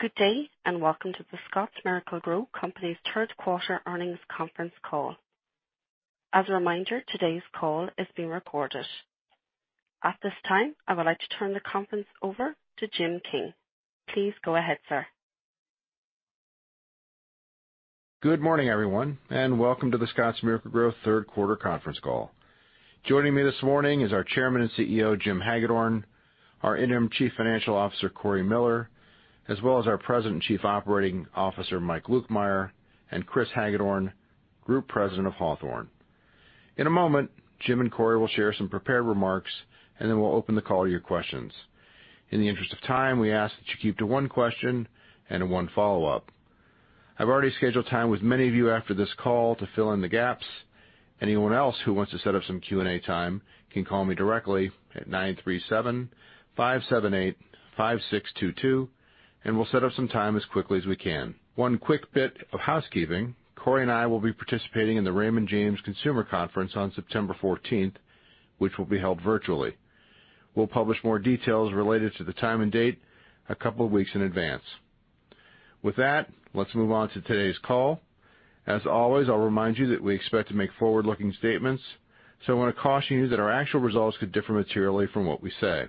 Good day. Welcome to The Scotts Miracle-Gro Company's Q3 earnings conference call. As a reminder, today's call is being recorded. At this time, I would like to turn the conference over to Jim King. Please go ahead, sir. Good morning, everyone, welcome to the Scotts Miracle-Gro Q3 conference call. Joining me this morning is our Chairman and CEO, Jim Hagedorn, our Interim Chief Financial Officer, Cory Miller, as well as our President and Chief Operating Officer, Mike Lukemire, and Chris Hagedorn, Group President of Hawthorne. In a moment, Jim and Cory will share some prepared remarks, and then we'll open the call to your questions. In the interest of time, we ask that you keep to one question and one follow-up. I've already scheduled time with many of you after this call to fill in the gaps. Anyone else who wants to set up some Q&A time can call me directly at (937) 578-5622, and we'll set up some time as quickly as we can. One quick bit of housekeeping. Cory and I will be participating in the Raymond James Consumer Conference on September 14th, which will be held virtually. We'll publish more details related to the time and date a couple of weeks in advance. With that, let's move on to today's call. As always, I'll remind you that we expect to make forward-looking statements, so I want to caution you that our actual results could differ materially from what we say.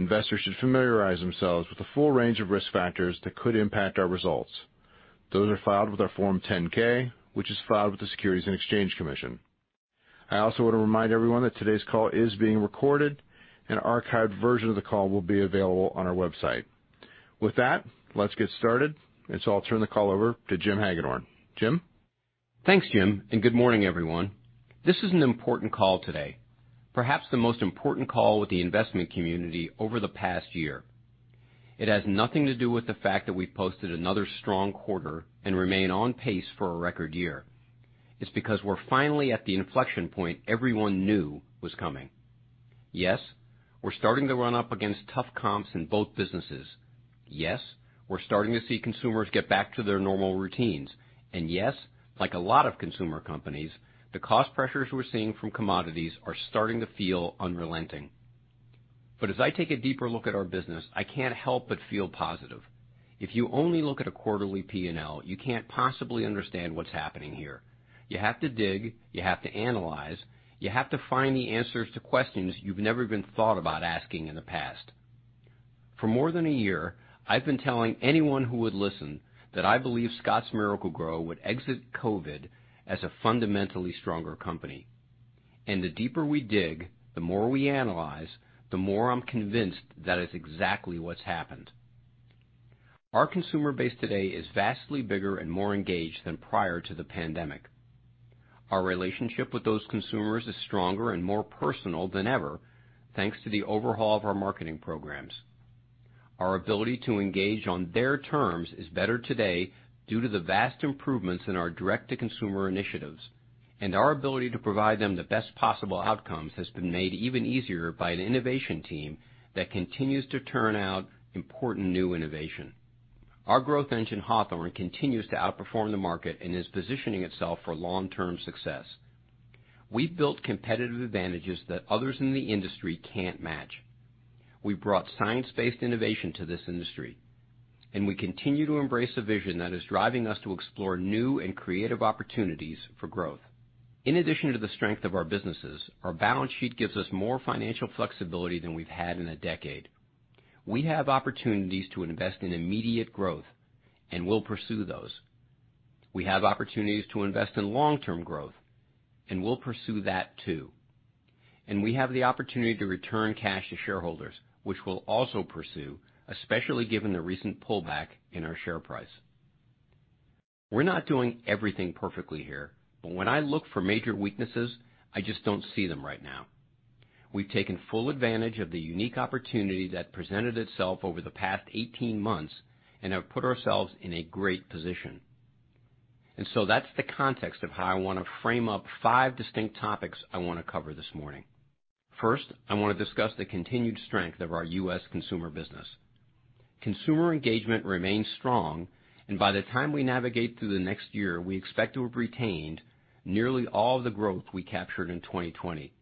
Investors should familiarize themselves with the full range of risk factors that could impact our results. Those are filed with our Form 10-K, which is filed with the Securities and Exchange Commission. I also want to remind everyone that today's call is being recorded, an archived version of the call will be available on our website. With that, let's get started. I'll turn the call over to Jim Hagedorn. Jim? Thanks, Jim. Good morning, everyone. This is an important call today, perhaps the most important call with the investment community over the past year. It has nothing to do with the fact that we posted another strong quarter and remain on pace for a record year. It's because we're finally at the inflection point everyone knew was coming. We're starting to run up against tough comps in both businesses. We're starting to see consumers get back to their normal routines. Like a lot of consumer companies, the cost pressures we're seeing from commodities are starting to feel unrelenting. As I take a deeper look at our business, I can't help but feel positive. If you only look at a quarterly P&L, you can't possibly understand what's happening here. You have to dig. You have to analyze. You have to find the answers to questions you've never even thought about asking in the past. For more than a year, I've been telling anyone who would listen that I believe Scotts Miracle-Gro would exit COVID as a fundamentally stronger company. The deeper we dig, the more we analyze, the more I'm convinced that is exactly what's happened. Our consumer base today is vastly bigger and more engaged than prior to the pandemic. Our relationship with those consumers is stronger and more personal than ever, thanks to the overhaul of our marketing programs. Our ability to engage on their terms is better today due to the vast improvements in our direct-to-consumer initiatives, and our ability to provide them the best possible outcomes has been made even easier by an innovation team that continues to turn out important new innovation. Our growth engine, Hawthorne, continues to outperform the market and is positioning itself for long-term success. We've built competitive advantages that others in the industry can't match. We've brought science-based innovation to this industry, and we continue to embrace a vision that is driving us to explore new and creative opportunities for growth. In addition to the strength of our businesses, our balance sheet gives us more financial flexibility than we've had in 10 years. We have opportunities to invest in immediate growth, and we'll pursue those. We have opportunities to invest in long-term growth, and we'll pursue that too. We have the opportunity to return cash to shareholders, which we'll also pursue, especially given the recent pullback in our share price. We're not doing everything perfectly here, but when I look for major weaknesses, I just don't see them right now. We've taken full advantage of the unique opportunity that presented itself over the past 18 months and have put ourselves in a great position. That's the context of how I want to frame up 5 distinct topics I want to cover this morning. First, I want to discuss the continued strength of our U.S. consumer business. Consumer engagement remains strong, and by the time we navigate through the next year, we expect to have retained nearly all the growth we captured in 2020.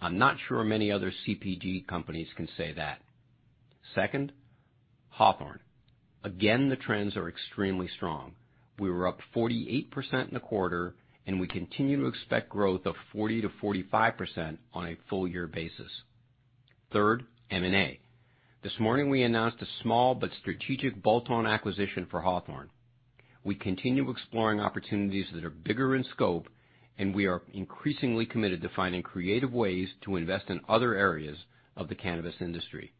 I'm not sure many other CPG companies can say that. Second, Hawthorne. Again, the trends are extremely strong. We were up 48% in the quarter, and we continue to expect growth of 40%-45% on a full year basis. Third, M&A. This morning, we announced a small but strategic bolt-on acquisition for Hawthorne. We continue exploring opportunities that are bigger in scope, and we are increasingly committed to finding creative ways to invest in other areas of the cannabis industry.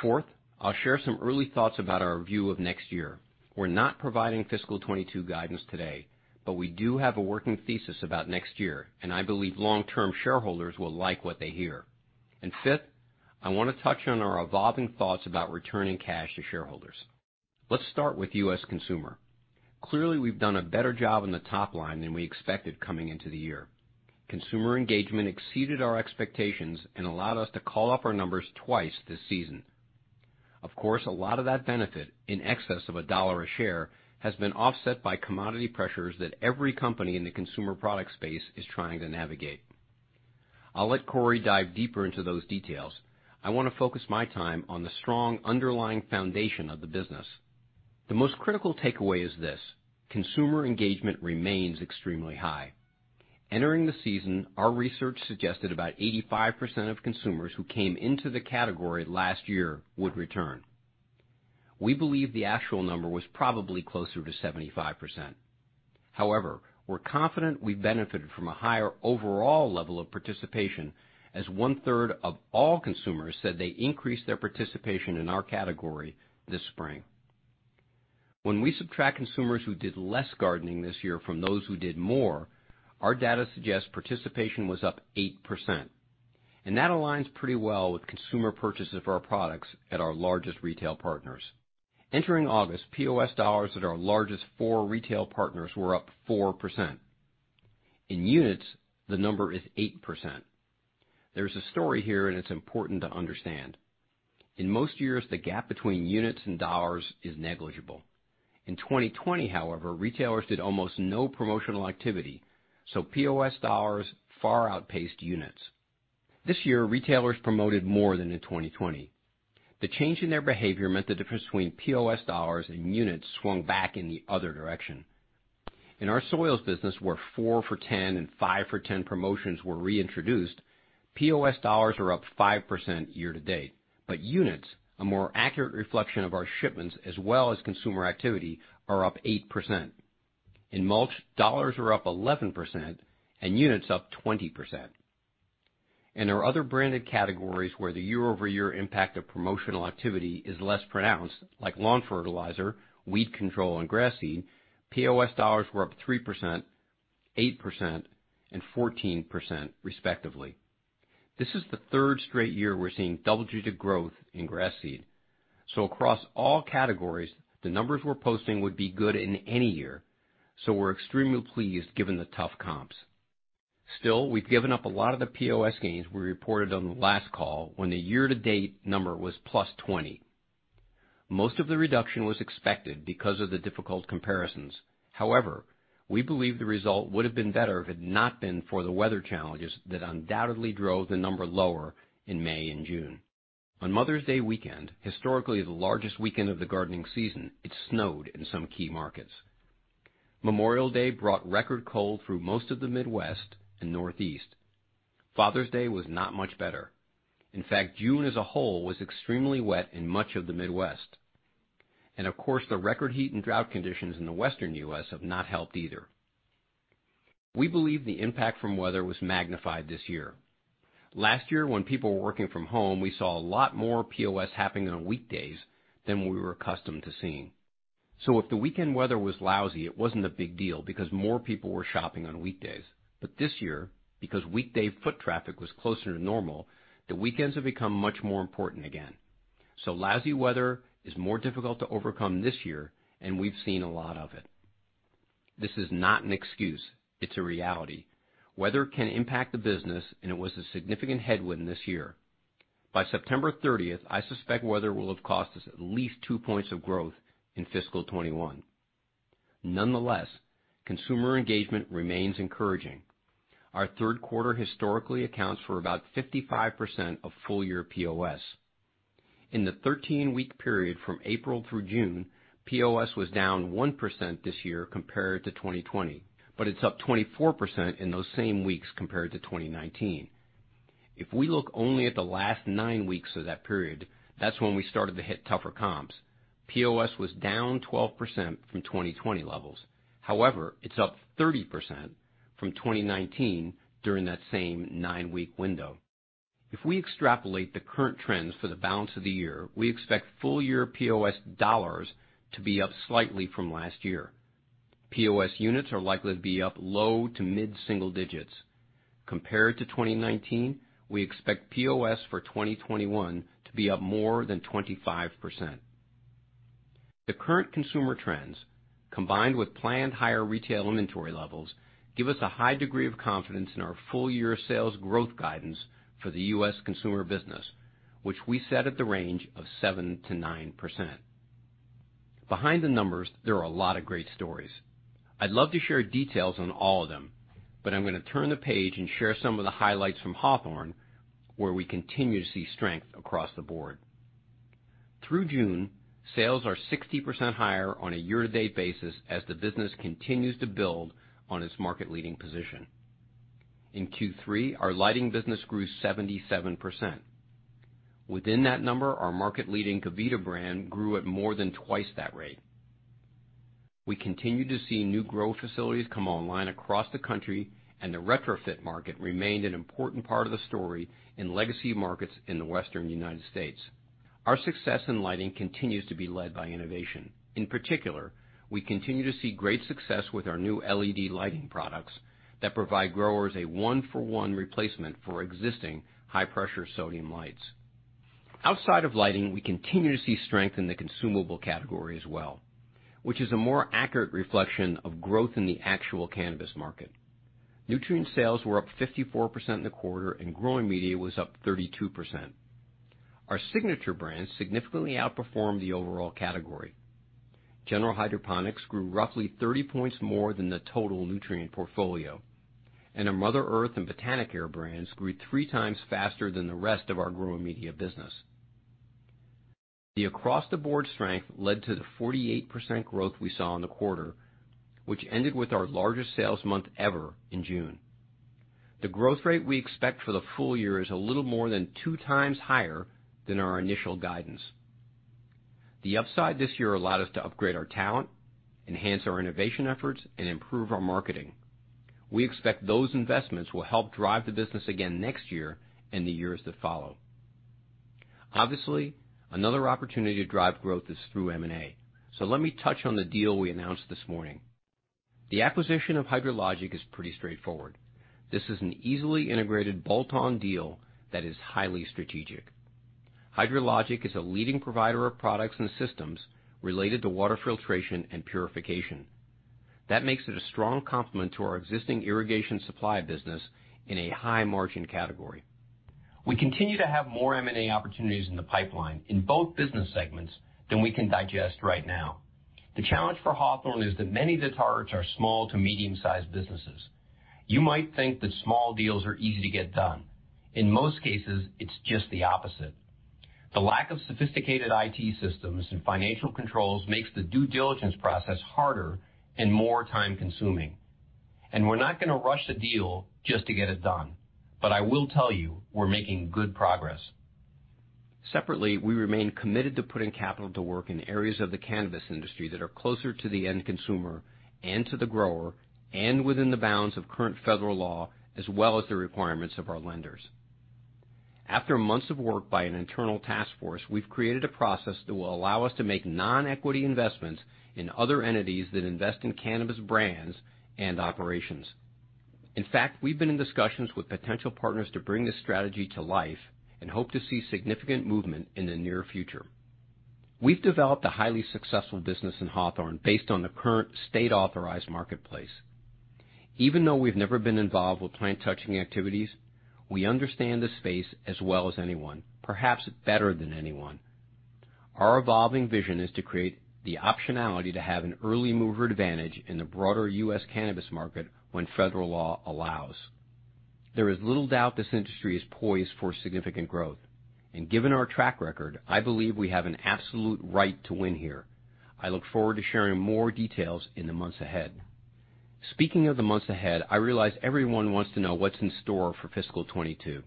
Fourth, I'll share some early thoughts about our view of next year. We're not providing fiscal 2022 guidance today, but we do have a working thesis about next year, and I believe long-term shareholders will like what they hear. Fifth, I want to touch on our evolving thoughts about returning cash to shareholders. Let's start with U.S. consumer. Clearly, we've done a better job on the top line than we expected coming into the year. Consumer engagement exceeded our expectations and allowed us to call up our numbers twice this season. Of course, a lot of that benefit, in excess of $1 a share, has been offset by commodity pressures that every company in the consumer product space is trying to navigate. I'll let Cory dive deeper into those details. I want to focus my time on the strong underlying foundation of the business. The most critical takeaway is this: consumer engagement remains extremely high. Entering the season, our research suggested about 85% of consumers who came into the category last year would return. We believe the actual number was probably closer to 75%. However, we're confident we benefited from a higher overall level of participation, as one-third of all consumers said they increased their participation in our category this spring. When we subtract consumers who did less gardening this year from those who did more, our data suggests participation was up 8%, and that aligns pretty well with consumer purchases of our products at our largest retail partners. Entering August, POS dollars at our largest four retail partners were up 4%. In units, the number is 8%. There's a story here, and it's important to understand. In most years, the gap between units and dollars is negligible. In 2020, however, retailers did almost no promotional activity, so POS dollars far outpaced units. This year, retailers promoted more than in 2020. The change in their behavior meant the difference between POS dollars and units swung back in the other direction. In our soils business, where 4 for 10 and 5 for 10 promotions were reintroduced, POS dollars are up 5% year to date. Units, a more accurate reflection of our shipments as well as consumer activity, are up 8%. In mulch, dollars are up 11% and units up 20%. In our other branded categories where the year-over-year impact of promotional activity is less pronounced, like lawn fertilizer, weed control, and grass seed, POS dollars were up 3%, 8%, and 14%, respectively. This is the third straight year we're seeing double-digit growth in grass seed. Across all categories, the numbers we're posting would be good in any year, so we're extremely pleased given the tough comps. Still, we've given up a lot of the POS gains we reported on the last call when the year-to-date number was +20. Most of the reduction was expected because of the difficult comparisons. We believe the result would have been better if it had not been for the weather challenges that undoubtedly drove the number lower in May and June. On Mother's Day weekend, historically the largest weekend of the gardening season, it snowed in some key markets. Memorial Day brought record cold through most of the Midwest and Northeast. Father's Day was not much better. June as a whole was extremely wet in much of the Midwest. Of course, the record heat and drought conditions in the Western U.S. have not helped either. We believe the impact from weather was magnified this year. Last year, when people were working from home, we saw a lot more POS happening on weekdays than we were accustomed to seeing. If the weekend weather was lousy, it wasn't a big deal because more people were shopping on weekdays. This year, because weekday foot traffic was closer to normal, the weekends have become much more important again. Lousy weather is more difficult to overcome this year, and we've seen a lot of it. This is not an excuse. It's a reality. Weather can impact the business, and it was a significant headwind this year. By September 30th, I suspect weather will have cost us at least two points of growth in fiscal 2021. Nonetheless, consumer engagement remains encouraging. Our Q3 historically accounts for about 55% of full-year POS. In the 13-week period from April through June, POS was down 1% this year compared to 2020, but it's up 24% in those same weeks compared to 2019. If we look only at the last 9 weeks of that period, that's when we started to hit tougher comps. POS was down 12% from 2020 levels. However, it's up 30% from 2019 during that same nine-week window. If we extrapolate the current trends for the balance of the year, we expect full-year POS dollars to be up slightly from last year. POS units are likely to be up low to mid-single digits. Compared to 2019, we expect POS for 2021 to be up more than 25%. The current consumer trends, combined with planned higher retail inventory levels, give us a high degree of confidence in our full-year sales growth guidance for the U.S. consumer business, which we set at the range of 7%-9%. Behind the numbers, there are a lot of great stories. I'd love to share details on all of them, but I'm going to turn the page and share some of the highlights from Hawthorne, where we continue to see strength across the board. Through June, sales are 60% higher on a year-to-date basis as the business continues to build on its market-leading position. In Q3, our lighting business grew 77%. Within that number, our market-leading Gavita brand grew at more than twice that rate. We continue to see new growth facilities come online across the country, and the retrofit market remained an important part of the story in legacy markets in the Western U.S. Our success in lighting continues to be led by innovation. In particular, we continue to see great success with our new LED lighting products that provide growers a one for one replacement for existing high-pressure sodium lights. Outside of lighting, we continue to see strength in the consumable category as well, which is a more accurate reflection of growth in the actual cannabis market. Nutrient sales were up 54% in the quarter, and growing media was up 32%. Our signature brand significantly outperformed the overall category. General Hydroponics grew roughly 30 points more than the total nutrient portfolio, and our Mother Earth and Botanicare brands grew three times faster than the rest of our growing media business. The across-the-board strength led to the 48% growth we saw in the quarter, which ended with our largest sales month ever in June. The growth rate we expect for the full year is a little more than two times higher than our initial guidance. The upside this year allowed us to upgrade our talent, enhance our innovation efforts, and improve our marketing. We expect those investments will help drive the business again next year and the years that follow. Obviously, another opportunity to drive growth is through M&A. Let me touch on the deal we announced this morning. The acquisition of HydroLogic is pretty straightforward. This is an easily integrated bolt-on deal that is highly strategic. HydroLogic is a leading provider of products and systems related to water filtration and purification. That makes it a strong complement to our existing irrigation supply business in a high-margin category. We continue to have more M&A opportunities in the pipeline in both business segments than we can digest right now. The challenge for Hawthorne is that many of the targets are small to medium-sized businesses. You might think that small deals are easy to get done. In most cases, it's just the opposite. The lack of sophisticated IT systems and financial controls makes the due diligence process harder and more time-consuming, and we're not going to rush a deal just to get it done, but I will tell you we're making good progress. Separately, we remain committed to putting capital to work in areas of the cannabis industry that are closer to the end consumer and to the grower and within the bounds of current federal law as well as the requirements of our lenders. After months of work by an internal task force, we've created a process that will allow us to make non-equity investments in other entities that invest in cannabis brands and operations. In fact, we've been in discussions with potential partners to bring this strategy to life and hope to see significant movement in the near future. We've developed a highly successful business in Hawthorne based on the current state-authorized marketplace. Even though we've never been involved with plant-touching activities, we understand the space as well as anyone, perhaps better than anyone. Our evolving vision is to create the optionality to have an early mover advantage in the broader U.S. cannabis market when federal law allows. There is little doubt this industry is poised for significant growth. Given our track record, I believe we have an absolute right to win here. I look forward to sharing more details in the months ahead. Speaking of the months ahead, I realize everyone wants to know what's in store for fiscal 2022.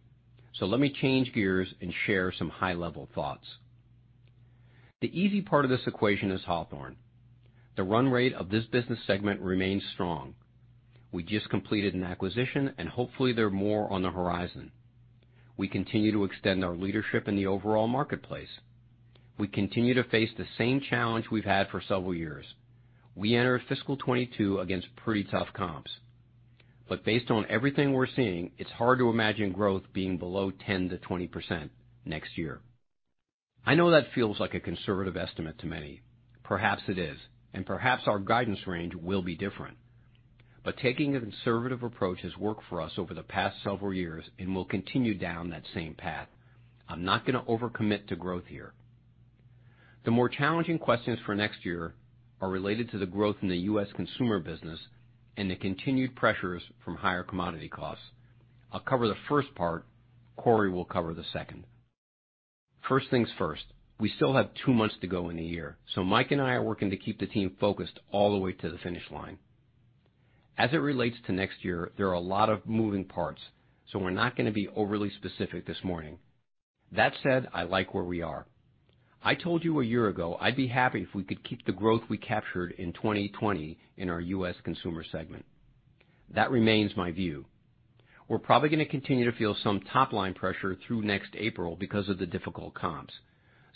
Let me change gears and share some high-level thoughts. The easy part of this equation is Hawthorne. The run rate of this business segment remains strong. We just completed an acquisition, and hopefully there are more on the horizon. We continue to extend our leadership in the overall marketplace. We continue to face the same challenge we've had for several years. We enter fiscal 2022 against pretty tough comps. Based on everything we're seeing, it's hard to imagine growth being below 10%-20% next year. I know that feels like a conservative estimate to many. Perhaps it is, and perhaps our guidance range will be different. Taking a conservative approach has worked for us over the past several years and will continue down that same path. I'm not going to overcommit to growth here. The more challenging questions for next year are related to the growth in the U.S. consumer business and the continued pressures from higher commodity costs. I'll cover the first part. Cory will cover the second. First things first, we still have two months to go in the year, so Mike and I are working to keep the team focused all the way to the finish line. As it relates to next year, there are a lot of moving parts, so we're not going to be overly specific this morning. That said, I like where we are. I told you a year ago I'd be happy if we could keep the growth we captured in 2020 in our U.S. consumer segment. That remains my view. We're probably going to continue to feel some top-line pressure through next April because of the difficult comps.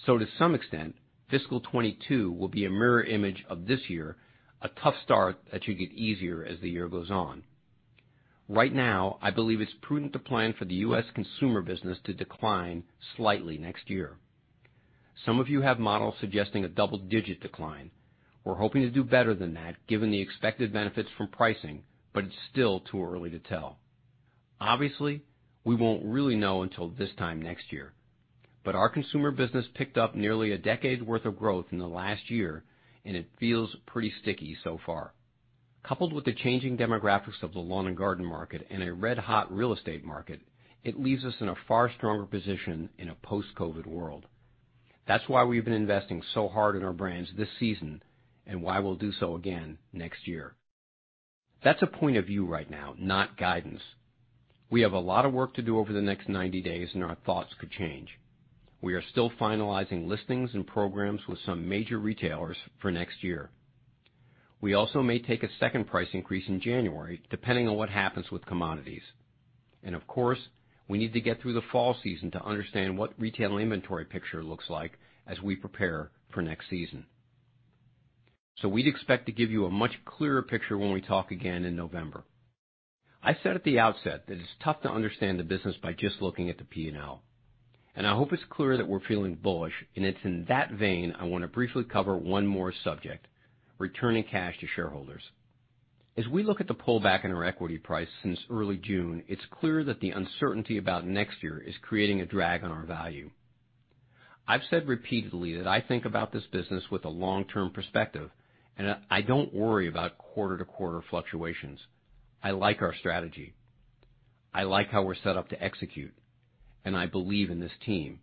To some extent, fiscal 2022 will be a mirror image of this year, a tough start that should get easier as the year goes on. Right now, I believe it's prudent to plan for the U.S. consumer business to decline slightly next year. Some of you have models suggesting a double-digit decline. We're hoping to do better than that given the expected benefits from pricing, but it's still too early to tell. Obviously, we won't really know until this time next year. Our consumer business picked up nearly a decade's worth of growth in the last year, and it feels pretty sticky so far. Coupled with the changing demographics of the lawn and garden market and a red-hot real estate market, it leaves us in a far stronger position in a post-COVID world. That's why we've been investing so hard in our brands this season, and why we'll do so again next year. That's a point of view right now, not guidance. We have a lot of work to do over the next 90 days, and our thoughts could change. We are still finalizing listings and programs with some major retailers for next year. We also may take a second price increase in January, depending on what happens with commodities. Of course, we need to get through the fall season to understand what retail inventory picture looks like as we prepare for next season. We'd expect to give you a much clearer picture when we talk again in November. I said at the outset that it's tough to understand the business by just looking at the P&L, and I hope it's clear that we're feeling bullish, and it's in that vein I want to briefly cover one more subject: returning cash to shareholders. As we look at the pullback in our equity price since early June, it's clear that the uncertainty about next year is creating a drag on our value. I've said repeatedly that I think about this business with a long-term perspective, and I don't worry about quarter-to-quarter fluctuations. I like our strategy. I like how we're set up to execute, and I believe in this team.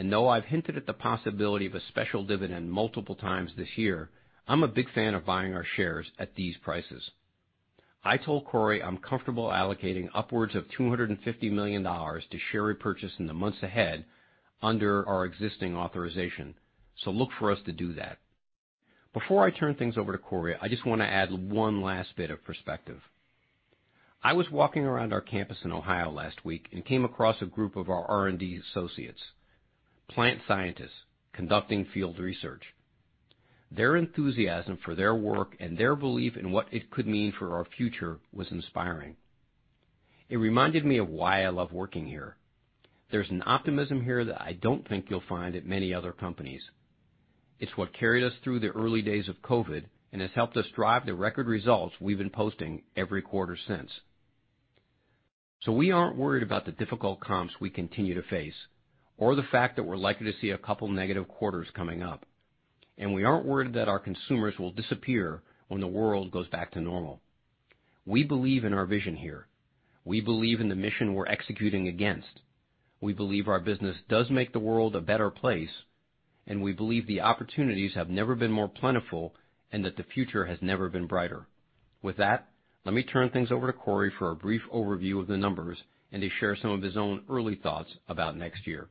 Though I've hinted at the possibility of a special dividend multiple times this year, I'm a big fan of buying our shares at these prices. I told Cory I'm comfortable allocating upwards of $250 million to share repurchase in the months ahead under our existing authorization. Look for us to do that. Before I turn things over to Cory, I just want to add 1 last bit of perspective. I was walking around our campus in Ohio last week and came across a group of our R&D associates, plant scientists conducting field research. Their enthusiasm for their work and their belief in what it could mean for our future was inspiring. It reminded me of why I love working here. There's an optimism here that I don't think you'll find at many other companies. It's what carried us through the early days of COVID and has helped us drive the record results we've been posting every quarter since. We aren't worried about the difficult comps we continue to face or the fact that we're likely to see 2 negative quarters coming up, and we aren't worried that our consumers will disappear when the world goes back to normal. We believe in our vision here. We believe in the mission we're executing against. We believe our business does make the world a better place, and we believe the opportunities have never been more plentiful and that the future has never been brighter. With that, let me turn things over to Cory for a brief overview of the numbers and to share some of his own early thoughts about next year.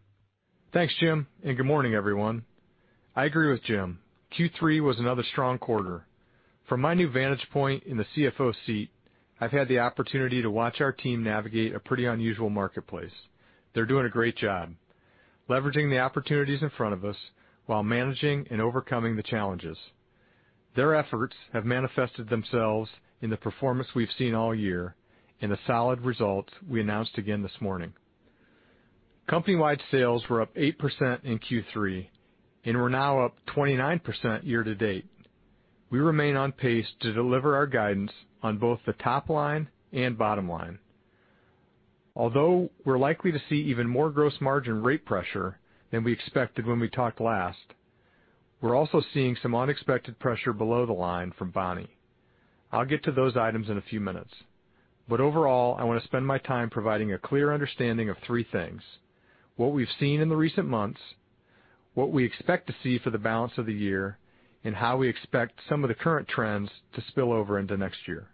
Thanks, Jim. Good morning, everyone. I agree with Jim. Q3 was another strong quarter. From my new vantage point in the CFO seat, I've had the opportunity to watch our team navigate a pretty unusual marketplace. They're doing a great job leveraging the opportunities in front of us while managing and overcoming the challenges. Their efforts have manifested themselves in the performance we've seen all year and the solid results we announced again this morning. Company-wide sales were up 8% in Q3 and we're now up 29% year to date. We remain on pace to deliver our guidance on both the top line and bottom line. Although we're likely to see even more gross margin rate pressure than we expected when we talked last, we're also seeing some unexpected pressure below the line from Bonnie. I'll get to those items in a few minutes. Overall, I want to spend my time providing a clear understanding of three things: what we've seen in the recent months, what we expect to see for the balance of the year, and how we expect some of the current trends to spill over into next year.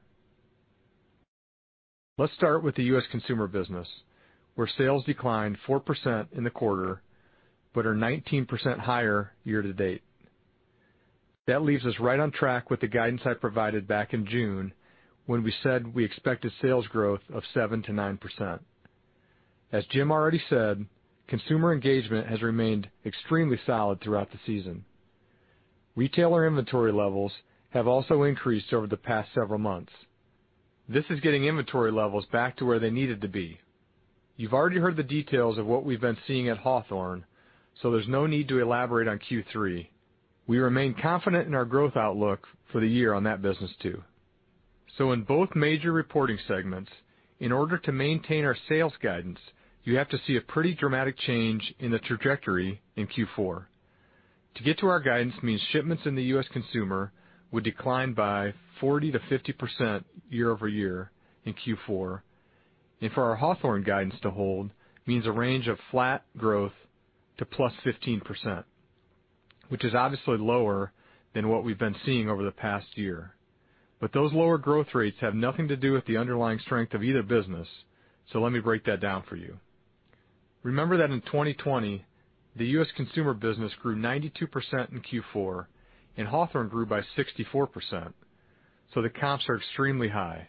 Let's start with the U.S. consumer business, where sales declined 4% in the quarter but are 19% higher year to date. That leaves us right on track with the guidance I provided back in June when we said we expected sales growth of 7%-9%. As Jim already said, consumer engagement has remained extremely solid throughout the season. Retailer inventory levels have also increased over the past several months. This is getting inventory levels back to where they needed to be. You've already heard the details of what we've been seeing at Hawthorne, so there's no need to elaborate on Q3. We remain confident in our growth outlook for the year on that business too. In both major reporting segments, in order to maintain our sales guidance, you have to see a pretty dramatic change in the trajectory in Q4. To get to our guidance means shipments in the U.S. consumer would decline by 40%-50% year-over-year in Q4. For our Hawthorne guidance to hold means a range of flat growth to plus 15%, which is obviously lower than what we've been seeing over the past year. Those lower growth rates have nothing to do with the underlying strength of either business. Let me break that down for you. Remember that in 2020, the U.S. consumer business grew 92% in Q4 and Hawthorne grew by 64%. The comps are extremely high.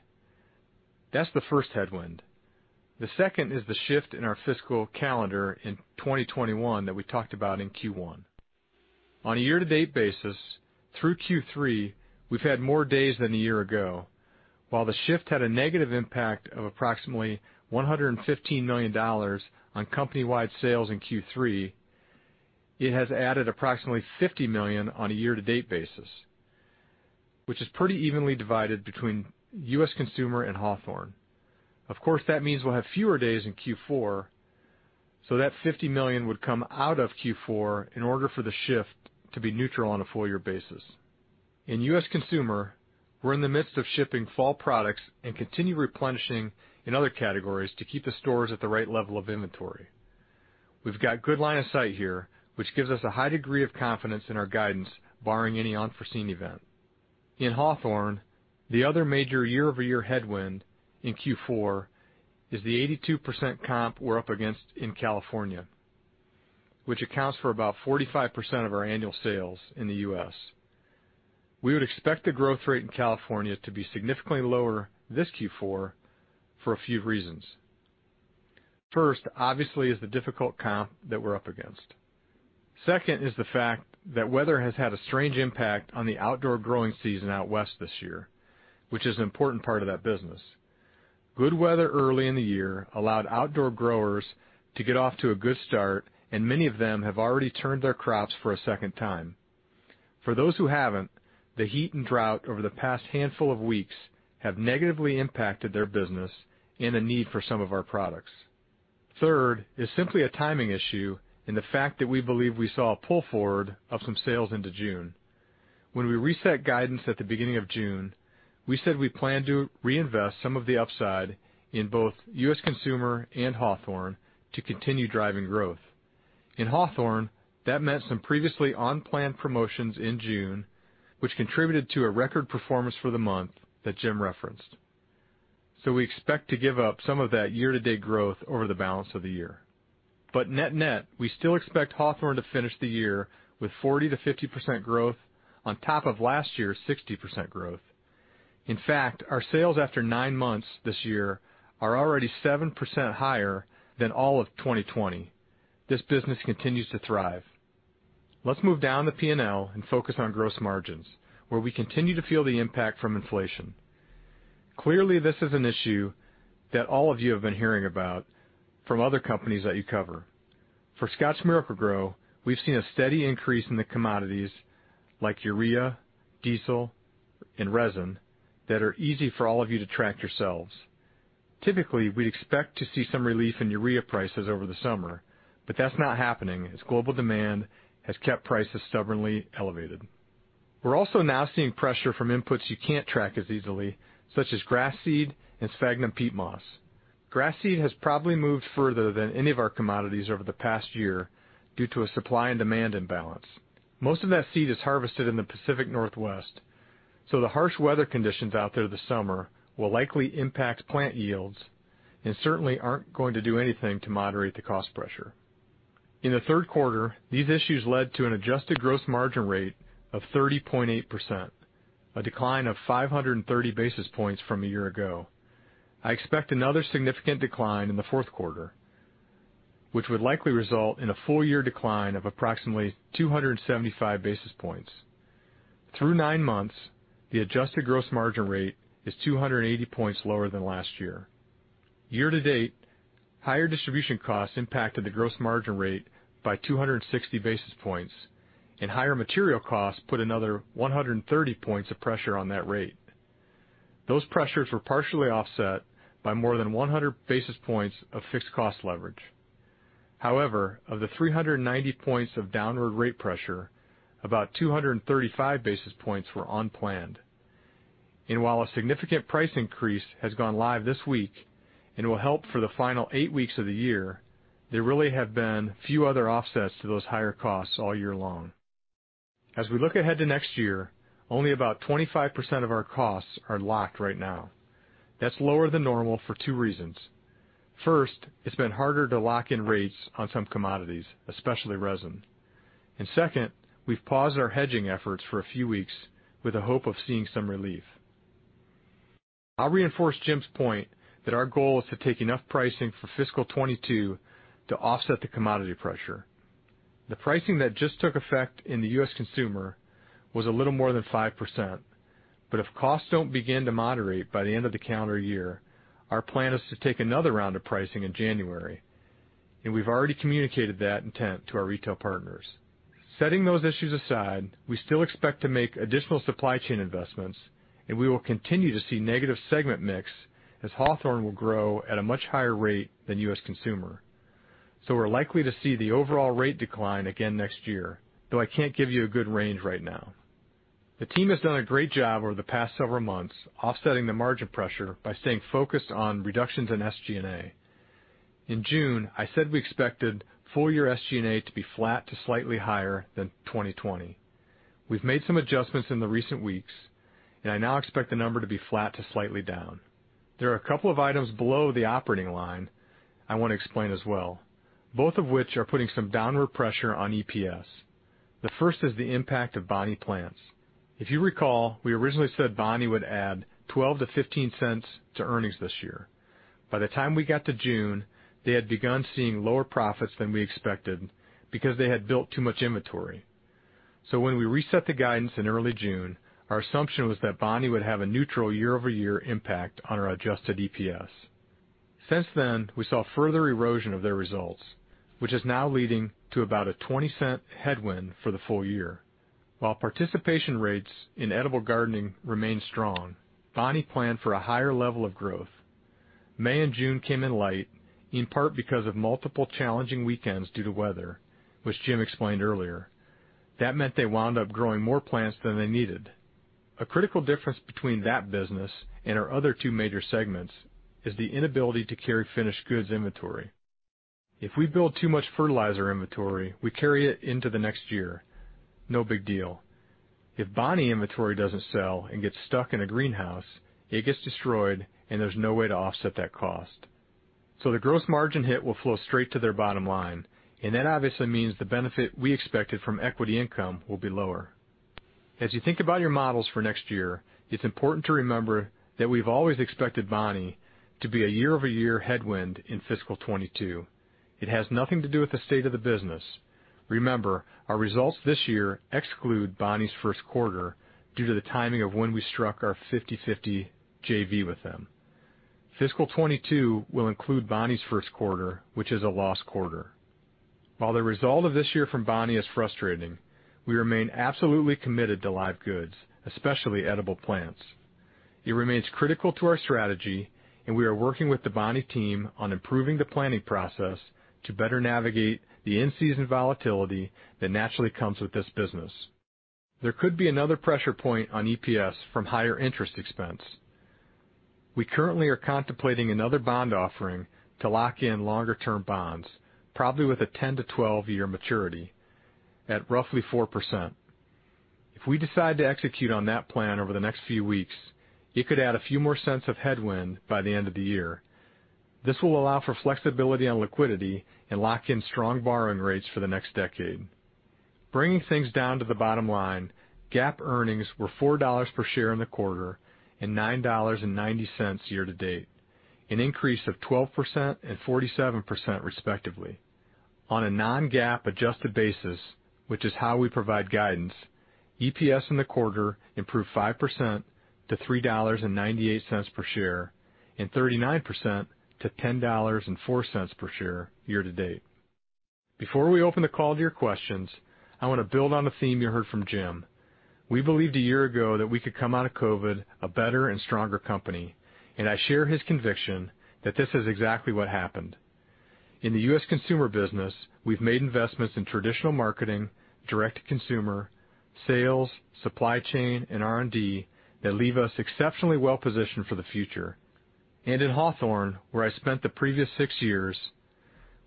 That's the first headwind. The second is the shift in our fiscal calendar in 2021 that we talked about in Q1. On a year-to-date basis, through Q3, we've had more days than a year ago. While the shift had a negative impact of approximately $115 million on company-wide sales in Q3, it has added approximately $50 million on a year-to-date basis, which is pretty evenly divided between U.S. consumer and Hawthorne. Of course, that means we'll have fewer days in Q4, so that $50 million would come out of Q4 in order for the shift to be neutral on a full-year basis. In U.S. consumer, we're in the midst of shipping fall products and continue replenishing in other categories to keep the stores at the right level of inventory. We've got good line of sight here, which gives us a high degree of confidence in our guidance barring any unforeseen event. In Hawthorne, the other major year-over-year headwind in Q4 is the 82% comp we're up against in California, which accounts for about 45% of our annual sales in the U.S. We would expect the growth rate in California to be significantly lower this Q4 for a few reasons. First, obviously, is the difficult comp that we're up against. Second is the fact that weather has had a strange impact on the outdoor growing season out west this year, which is an important part of that business. Good weather early in the year allowed outdoor growers to get off to a good start, and many of them have already turned their crops for a second time. For those who haven't, the heat and drought over the past handful of weeks have negatively impacted their business and the need for some of our products. Third is simply a timing issue in the fact that we believe we saw a pull forward of some sales into June. When we reset guidance at the beginning of June, we said we plan to reinvest some of the upside in both US Consumer and Hawthorne to continue driving growth. In Hawthorne, that meant some previously unplanned promotions in June, which contributed to a record performance for the month that Jim referenced. We expect to give up some of that year-to-date growth over the balance of the year. Net net, we still expect Hawthorne to finish the year with 40%-50% growth on top of last year's 60% growth. In fact, our sales after nine months this year are already 7% higher than all of 2020. This business continues to thrive. Let's move down the P&L and focus on gross margins, where we continue to feel the impact from inflation. Clearly, this is an issue that all of you have been hearing about from other companies that you cover. For Scotts Miracle-Gro, we've seen a steady increase in the commodities like urea, diesel, and resin that are easy for all of you to track yourselves. Typically, we'd expect to see some relief in urea prices over the summer, but that's not happening as global demand has kept prices stubbornly elevated. We're also now seeing pressure from inputs you can't track as easily, such as Grass seed and Sphagnum peat moss. Grass seed has probably moved further than any of our commodities over the past year due to a supply and demand imbalance. Most of that seed is harvested in the Pacific Northwest, so the harsh weather conditions out there this summer will likely impact plant yields and certainly aren't going to do anything to moderate the cost pressure. In the Q3, these issues led to an adjusted gross margin rate of 30.8%, a decline of 530 basis points from a year ago. I expect another significant decline in the Q4, which would likely result in a full year decline of approximately 275 basis points. Through nine months, the adjusted gross margin rate is 280 points lower than last year. Year-to-date, higher distribution costs impacted the gross margin rate by 260 basis points, and higher material costs put another 130 points of pressure on that rate. Those pressures were partially offset by more than 100 basis points of fixed cost leverage. However, of the 390 points of downward rate pressure, about 235 basis points were unplanned. While a significant price increase has gone live this week and will help for the final eight weeks of the year, there really have been few other offsets to those higher costs all year long. As we look ahead to next year, only about 25% of our costs are locked right now. That's lower than normal for two reasons. First, it's been harder to lock in rates on some commodities, especially resin. Second, we've paused our hedging efforts for a few weeks with the hope of seeing some relief. I'll reinforce Jim's point that our goal is to take enough pricing for fiscal 2022 to offset the commodity pressure. The pricing that just took effect in the U.S. Consumer was a little more than 5%. If costs don't begin to moderate by the end of the calendar year, our plan is to take another round of pricing in January. We've already communicated that intent to our retail partners. Setting those issues aside, we still expect to make additional supply chain investments. We will continue to see negative segment mix as Hawthorne will grow at a much higher rate than U.S. Consumer. We're likely to see the overall rate decline again next year, though I can't give you a good range right now. The team has done a great job over the past several months offsetting the margin pressure by staying focused on reductions in SG&A. In June, I said we expected full year SG&A to be flat to slightly higher than 2020. We've made some adjustments in the recent weeks. I now expect the number to be flat to slightly down. There are a couple of items below the operating line I want to explain as well, both of which are putting some downward pressure on EPS. The first is the impact of Bonnie Plants. If you recall, we originally said Bonnie would add $0.12-$0.15 to earnings this year. By the time we got to June, they had begun seeing lower profits than we expected because they had built too much inventory. When we reset the guidance in early June, our assumption was that Bonnie would have a neutral year-over-year impact on our adjusted EPS. Since then, we saw further erosion of their results, which is now leading to about a $0.20 headwind for the full year. While participation rates in edible gardening remain strong, Bonnie planned for a higher level of growth. May and June came in light, in part because of multiple challenging weekends due to weather, which Jim explained earlier. That meant they wound up growing more plants than they needed. A critical difference between that business and our other two major segments is the inability to carry finished goods inventory. If we build too much fertilizer inventory, we carry it into the next year. No big deal. If Bonnie inventory doesn't sell and gets stuck in a greenhouse, it gets destroyed, and there's no way to offset that cost. So the gross margin hit will flow straight to their bottom line, and that obviously means the benefit we expected from equity income will be lower. As you think about your models for next year, it's important to remember that we've always expected Bonnie to be a year-over-year headwind in fiscal 2022. It has nothing to do with the state of the business. Remember, our results this year exclude Bonnie's first quarter due to the timing of when we struck our 50/50 JV with them. Fiscal 2022 will include Bonnie's first quarter, which is a loss quarter. While the result of this year from Bonnie is frustrating, we remain absolutely committed to live goods, especially edible plants. It remains critical to our strategy, and we are working with the Bonnie team on improving the planning process to better navigate the in-season volatility that naturally comes with this business. There could be another pressure point on EPS from higher interest expense. We currently are contemplating another bond offering to lock in longer-term bonds, probably with a 10-12-year maturity at roughly 4%. If we decide to execute on that plan over the next few weeks, it could add a few more cents of headwind by the end of the year. This will allow for flexibility on liquidity and lock in strong borrowing rates for the next decade. Bringing things down to the bottom line, GAAP earnings were $4 per share in the quarter and $9.90 year to date, an increase of 12% and 47% respectively. On a non-GAAP adjusted basis, which is how we provide guidance, EPS in the quarter improved 5% to $3.98 per share and 39% to $10.04 per share year to date. Before we open the call to your questions, I want to build on the theme you heard from Jim. We believed a year ago that we could come out of COVID a better and stronger company. I share his conviction that this is exactly what happened. In the U.S. consumer business, we've made investments in traditional marketing, direct to consumer, sales, supply chain, and R&D that leave us exceptionally well positioned for the future. In Hawthorne, where I spent the previous six years,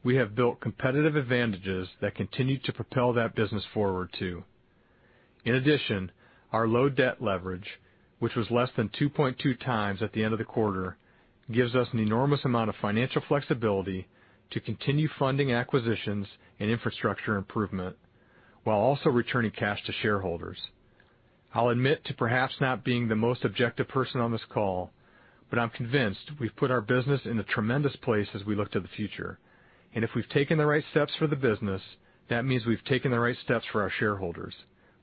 we have built competitive advantages that continue to propel that business forward too. In addition, our low debt leverage, which was less than 2.2x at the end of the quarter, gives us an enormous amount of financial flexibility to continue funding acquisitions and infrastructure improvement while also returning cash to shareholders. I'll admit to perhaps not being the most objective person on this call. I'm convinced we've put our business in a tremendous place as we look to the future. If we've taken the right steps for the business, that means we've taken the right steps for our shareholders.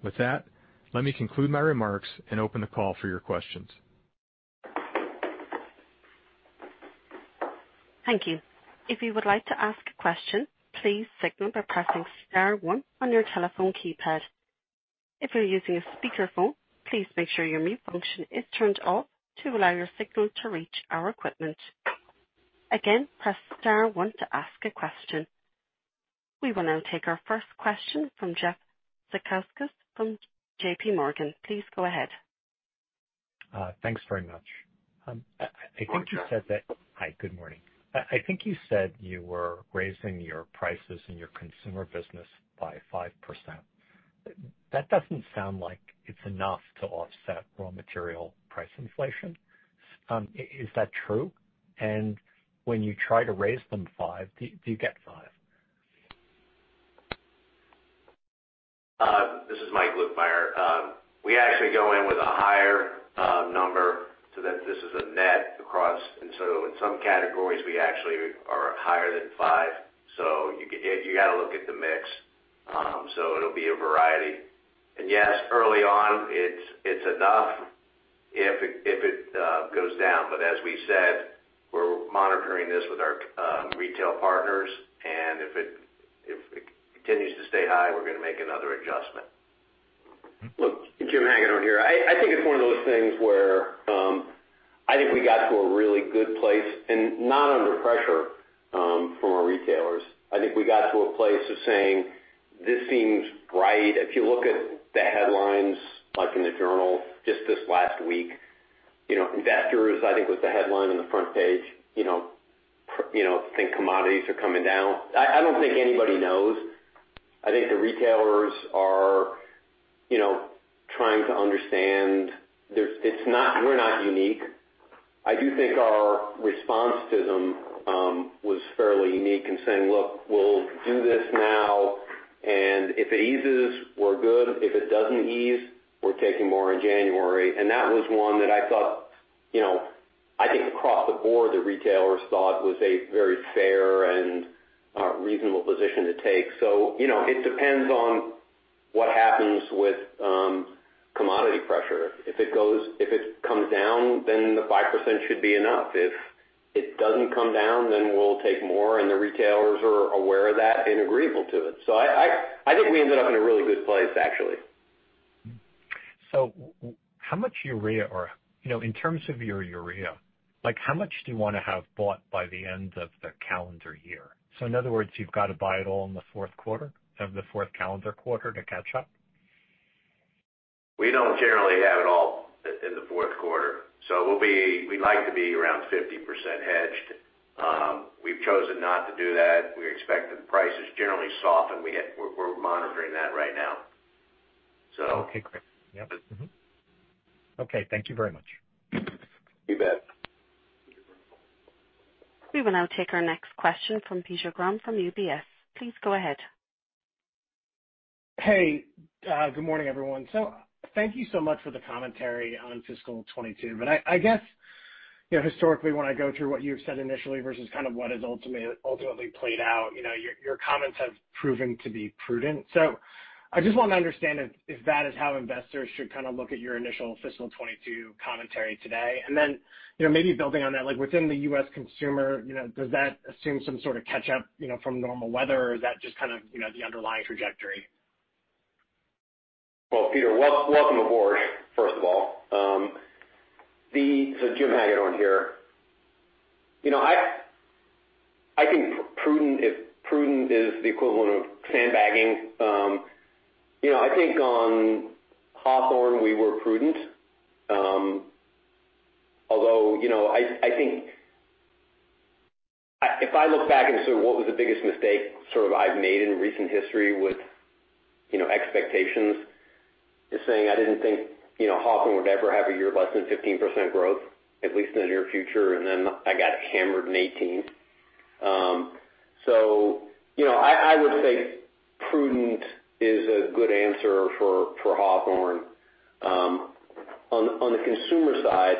With that, let me conclude my remarks and open the call for your questions. Thank you. If you would like to ask a question, please signal by pressing star one on your telephone keypad. If you're using a speakerphone, please make sure your mute function is turned off to allow your signal to reach our equipment. Again, press star one to ask a question. We will now take our first question from Jeff Zukauskas from JPMorgan. Please go ahead. Thanks very much. Hi, Jeff. Hi, good morning. I think you said you were raising your prices in your consumer business by 5%. That doesn't sound like it's enough to offset raw material price inflation. Is that true? When you try to raise them 5, do you get 5? This is Mike Lukemire. We actually go in with a higher number so that this is a net across. In some categories, we actually are higher than five. You got to look at the mix. It'll be a variety. Yes, early on it's enough if it goes down. As we said, we're monitoring this with our retail partners, and if it continues to stay high, we're going to make another adjustment. Look, Jim Hagedorn here. I think it's one of those things where I think we got to a really good place and not under pressure from our retailers. I think we got to a place of saying, "This seems right." If you look at the headlines, like in the Journal just this last week, investors, I think, was the headline on the front page, think commodities are coming down. I don't think anybody knows. I think the retailers are trying to understand. We're not unique. I do think our response to them was fairly unique in saying, "Look, we'll do this now, and if it eases, we're good. If it doesn't ease, we're taking more in January." That was one that I thought, I think across the board, the retailers thought was a very fair and reasonable position to take. It depends on what happens with commodity pressure. If it comes down, the 5% should be enough. If it doesn't come down, we'll take more. The retailers are aware of that and agreeable to it. I think we ended up in a really good place, actually. How much urea, or in terms of your urea, how much do you want to have bought by the end of the calendar year? In other words, you've got to buy it all in the Q4, of the fourth calendar quarter to catch up? We don't generally have it all in the Q4. We like to be around 50% hedged. We've chosen not to do that. We expect that prices generally soften. We're monitoring that right now. Okay, great. Yep. Mm-hmm. Okay, thank you very much. You bet. We will now take our next question from Peter Grom from UBS. Please go ahead. Hey, good morning, everyone. Thank you so much for the commentary on fiscal 2022. I guess historically, when I go through what you've said initially versus what has ultimately played out, your comments have proven to be prudent. I just want to understand if that is how investors should look at your initial fiscal 2022 commentary today. Maybe building on that, within the U.S. consumer, does that assume some sort of catch-up from normal weather, or is that just the underlying trajectory? Well, Peter, welcome aboard, first of all. Jim Hagedorn here. I think prudent is the equivalent of sandbagging. I think on Hawthorne, we were prudent. I think if I look back and sort of what was the biggest mistake sort of I've made in recent history with expectations is saying I didn't think Hawthorne would ever have a year less than 15% growth, at least in the near future, and then I got hammered in 2018. I would say prudent is a good answer for Hawthorne. On the consumer side,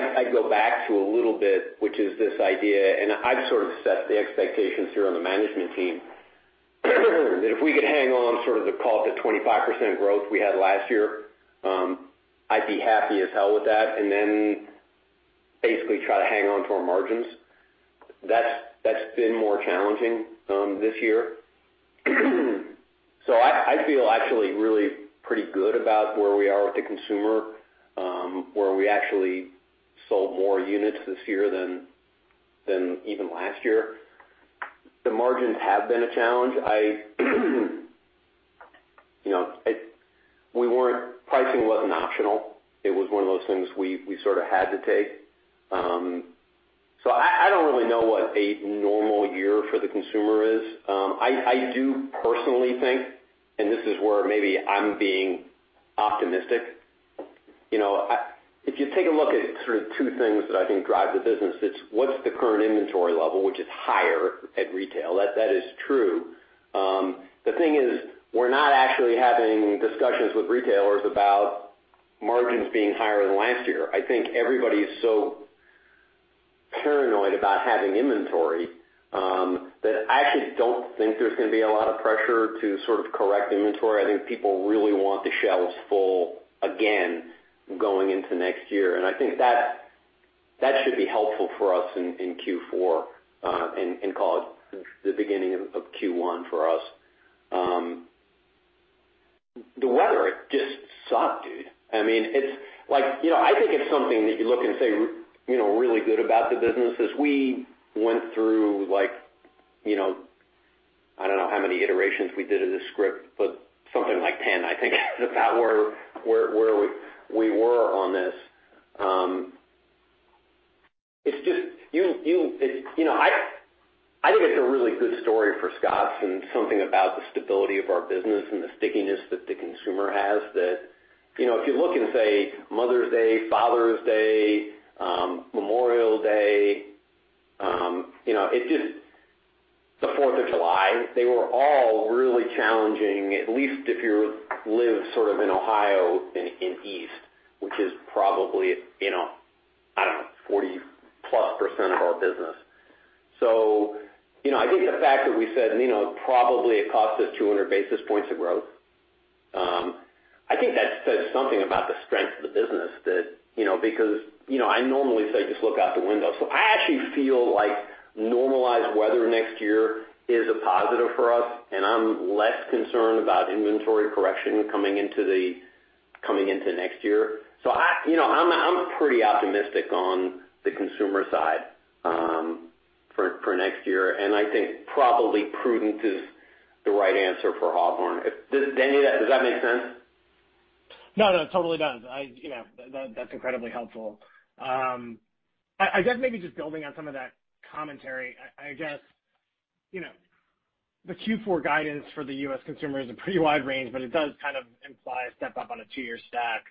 I'd go back to a little bit, which is this idea, and I've sort of set the expectations here on the management team, that if we could hang on sort of the call to 25% growth we had last year, I'd be happy as hell with that, basically try to hang on to our margins. That's been more challenging this year. I feel actually really pretty good about where we are with the consumer, where we actually sold more units this year than even last year. The margins have been a challenge. Pricing wasn't optional. It was one of those things we sort of had to take. I don't really know what a normal year for the consumer is. I do personally think, and this is where maybe I'm being optimistic. If you take a look at sort of two things that I think drive the business, it's what's the current inventory level, which is higher at retail. That is true. The thing is, we're not actually having discussions with retailers about margins being higher than last year. I think everybody is so paranoid about having inventory, that I actually don't think there's going to be a lot of pressure to sort of correct inventory. I think people really want the shelves full again going into next year, and I think that should be helpful for us in Q4, and call it the beginning of Q1 for us. The weather, it just sucked, dude. I think it's something that you look and say, really good about the business is we went through, I don't know how many iterations we did of this script, but something like 10, I think is about where we were on this. I think it's a really good story for Scotts and something about the stability of our business and the stickiness that the consumer has that, if you look and say, Mother's Day, Father's Day, Memorial Day, the Fourth of July, they were all really challenging, at least if you live sort of in Ohio, in east, which is probably, I don't know, 40-plus % of our business. I think the fact that we said, probably it cost us 200 basis points of growth, I think that says something about the strength of the business. I normally say, just look out the window. I actually feel like normalized weather next year is a positive for us, and I'm less concerned about inventory correction coming into next year. I'm pretty optimistic on the consumer side for next year, and I think probably prudent is the right answer for Hawthorne. Does that make sense? No, it totally does. That's incredibly helpful. I guess maybe just building on some of that commentary, I guess the Q4 guidance for the U.S. consumer is a pretty wide range, but it does kind of imply a step-up on a two-year stack.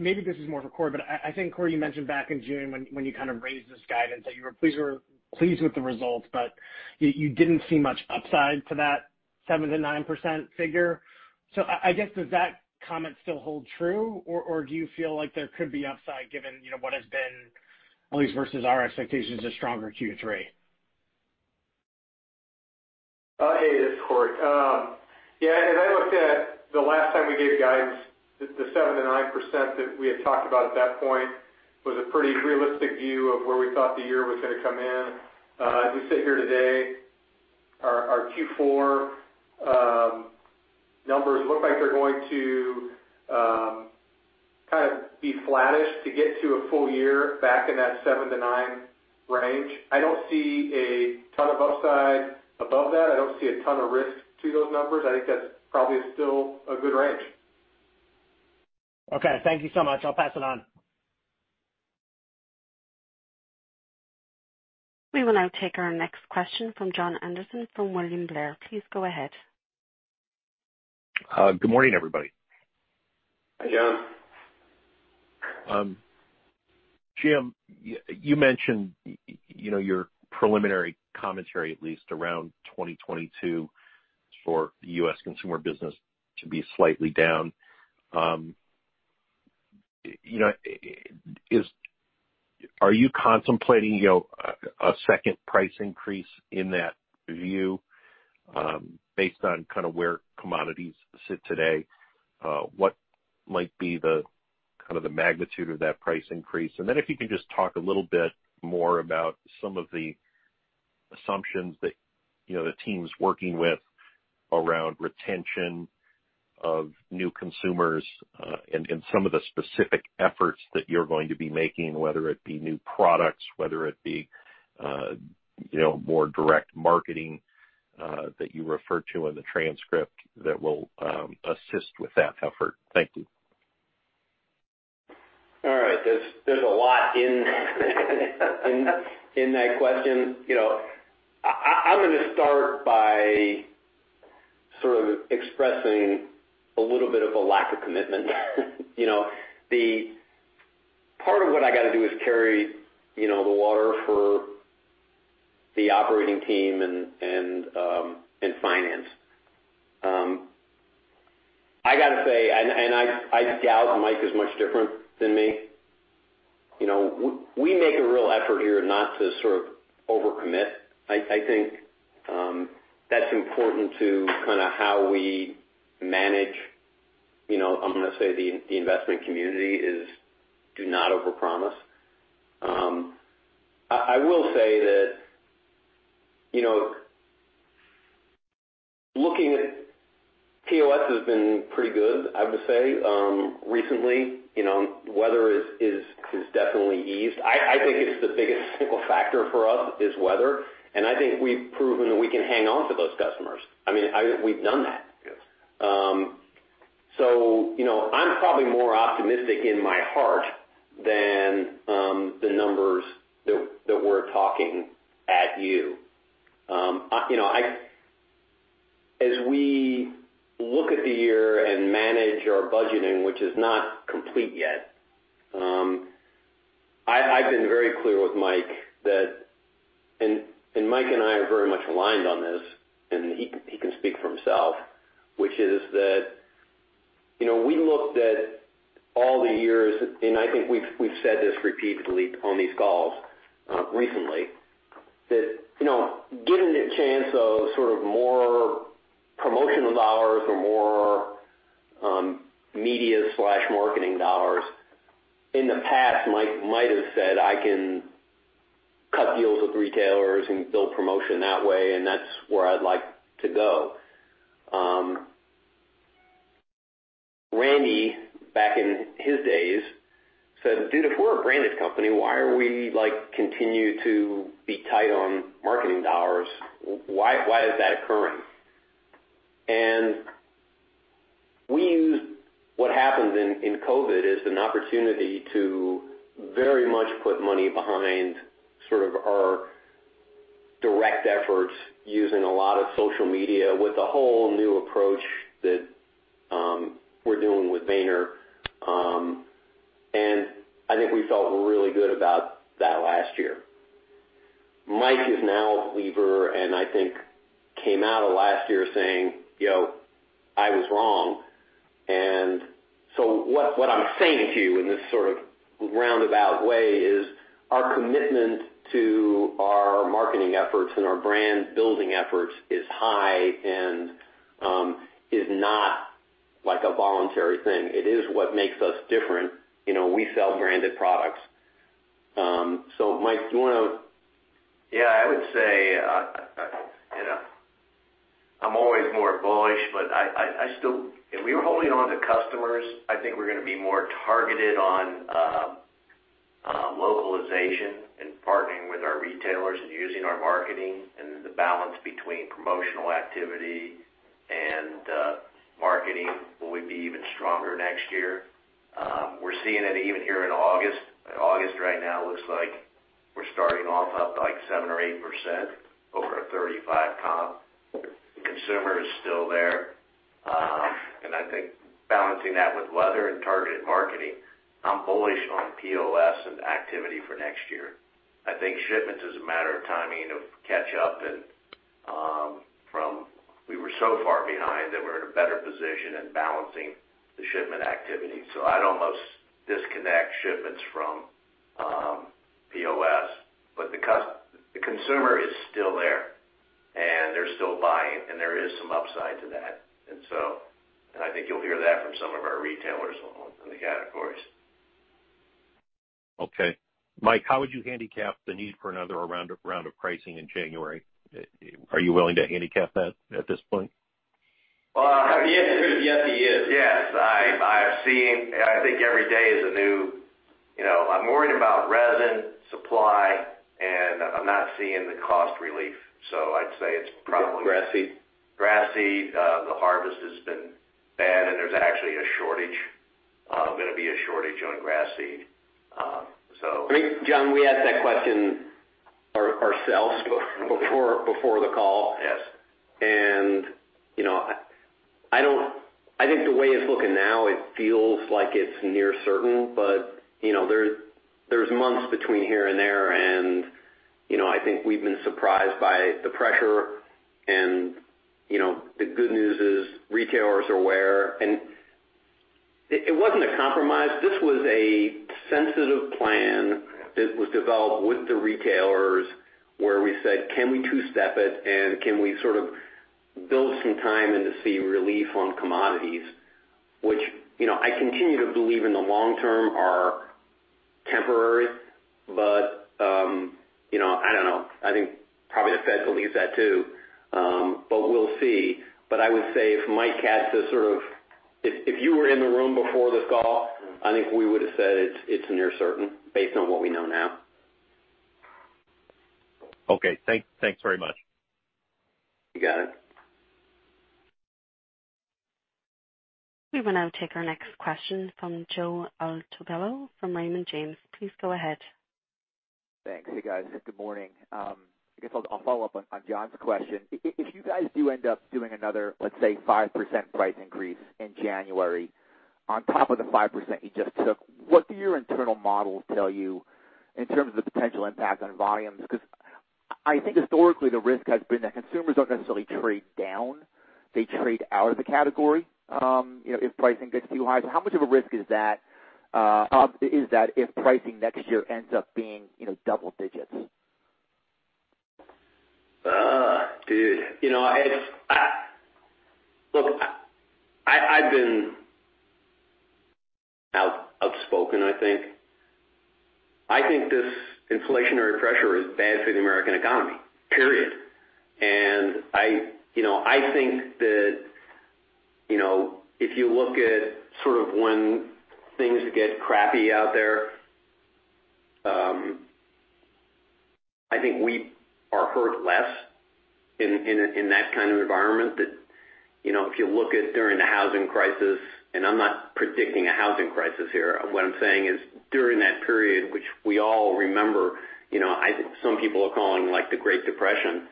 Maybe this is more for Cory, but I think, Cory, you mentioned back in June when you kind of raised this guidance that you were pleased with the results, but you didn't see much upside to that 7%-9% figure. I guess, does that comment still hold true, or do you feel like there could be upside given what has been, at least versus our expectations, a stronger Q3? Hey, it's Cory. As I looked at the last time we gave guidance, the 7%-9% that we had talked about at that point was a pretty realistic view of where we thought the year was going to come in. As we sit here today, our Q4 numbers look like they're going to kind of be flattish to get to a full year back in that 7-9 range. I don't see a ton of upside above that. I don't see a ton of risk to those numbers. I think that's probably still a good range. Okay. Thank you so much. I'll pass it on. We will now take our next question from Jon Andersen from William Blair. Please go ahead. Good morning, everybody. Hi, John. Jim, you mentioned your preliminary commentary, at least around 2022 for the U.S. consumer business to be slightly down. Are you contemplating a second price increase in that view, based on where commodities sit today? What might be the magnitude of that price increase? If you can just talk a little bit more about some of the assumptions that the team's working with around retention of new consumers, and some of the specific efforts that you're going to be making, whether it be new products, whether it be more direct marketing, that you referred to in the transcript that will assist with that effort. Thank you. All right. There's a lot in that question. I'm going to start by sort of expressing a little bit of a lack of commitment. Part of what I got to do is carry the water for the operating team and finance. I got to say, I doubt Mike is much different than me. We make a real effort here not to sort of over-commit. I think that's important to how we manage. I'm going to say the investment community is do not overpromise. I will say that looking at POS has been pretty good, I would say, recently. Weather has definitely eased. I think it's the biggest single factor for us, is weather, and I think we've proven that we can hang on to those customers. I mean, we've done that. Yes. I'm probably more optimistic in my heart than the numbers that we're talking at you. As we look at the year and manage our budgeting, which is not complete yet. I've been very clear with Mike that And Mike and I are very much aligned on this, and he can speak for himself, which is that we looked at all the years, and I think we've said this repeatedly on these calls recently, that given the chance of sort of more promotional dollars or more media/marketing dollars. In the past, Mike might've said, "I can cut deals with retailers and build promotion that way, and that's where I'd like to go." Randy, back in his days, said, "Dude, if we're a branded company, why are we continue to be tight on marketing dollars? Why is that occurring? We used what happened in COVID as an opportunity to very much put money behind sort of our direct efforts using a lot of social media with a whole new approach that we're doing with VaynerMedia. I think we felt really good about that last year. Mike is now a believer, and I think came out of last year saying, "I was wrong." What I'm saying to you in this sort of roundabout way is our commitment to our marketing efforts and our brand-building efforts is high and is not like a voluntary thing. It is what makes us different. We sell branded products. Mike, do you want to Yeah, I would say, I'm always more bullish, but if we were holding on to customers, I think we're going to be more targeted on localization and partnering with our retailers and using our marketing and the balance between promotional activity and marketing will be even stronger next year. We're seeing it even here in August. August right now looks like we're starting off up like 7% or 8% over a 35 comp. The consumer is still there. I think balancing that with weather and targeted marketing, I'm bullish on POS and activity for next year. I think shipments is a matter of timing, of catch up and from we were so far behind that we're in a better position in balancing the shipment activity. I'd almost disconnect shipments from POS. The consumer is still there, and they're still buying, and there is some upside to that. I think you'll hear that from some of our retailers on the categories. Okay. Mike, how would you handicap the need for another round of pricing in January? Are you willing to handicap that at this point? Well, the answer is yes, he is. Yes. I'm worried about resin supply, and I'm not seeing the cost relief. I'd say it's probably. GrassI. Grassi. The harvest has been bad, and there's actually a shortage. John Grassi. John, we asked that question ourselves before the call. Yes. I think the way it's looking now, it feels like it's near certain. There's months between here and there, and I think we've been surprised by the pressure and the good news is retailers are aware. It wasn't a compromise, this was a sensitive plan that was developed with the retailers where we said, "Can we two-step it, and can we sort of build some time in to see relief on commodities?" Which, I continue to believe in the long term are temporary. I don't know. I think probably the Fed believes that, too. We'll see. I would say if Mike, if you were in the room before this call, I think we would've said it's near certain based on what we know now. Okay. Thanks very much. You got it. We will now take our next question from Joe Altobello from Raymond James. Please go ahead. Thanks. Hey, guys. Good morning. I guess I'll follow up on Jon's question. If you guys do end up doing another, let's say, 5% price increase in January on top of the 5% you just took, what do your internal models tell you in terms of the potential impact on volumes? I think historically the risk has been that consumers don't necessarily trade down, they trade out of the category if pricing gets too high. How much of a risk is that if pricing next year ends up being double digits? Dude. Look, I've been outspoken, I think. I think this inflationary pressure is bad for the American economy, period. I think that if you look at sort of when things get crappy out there, I think we are hurt less in that kind of environment. That if you look at during the housing crisis, and I'm not predicting a housing crisis here, what I'm saying is during that period, which we all remember, some people are calling the Great Depression.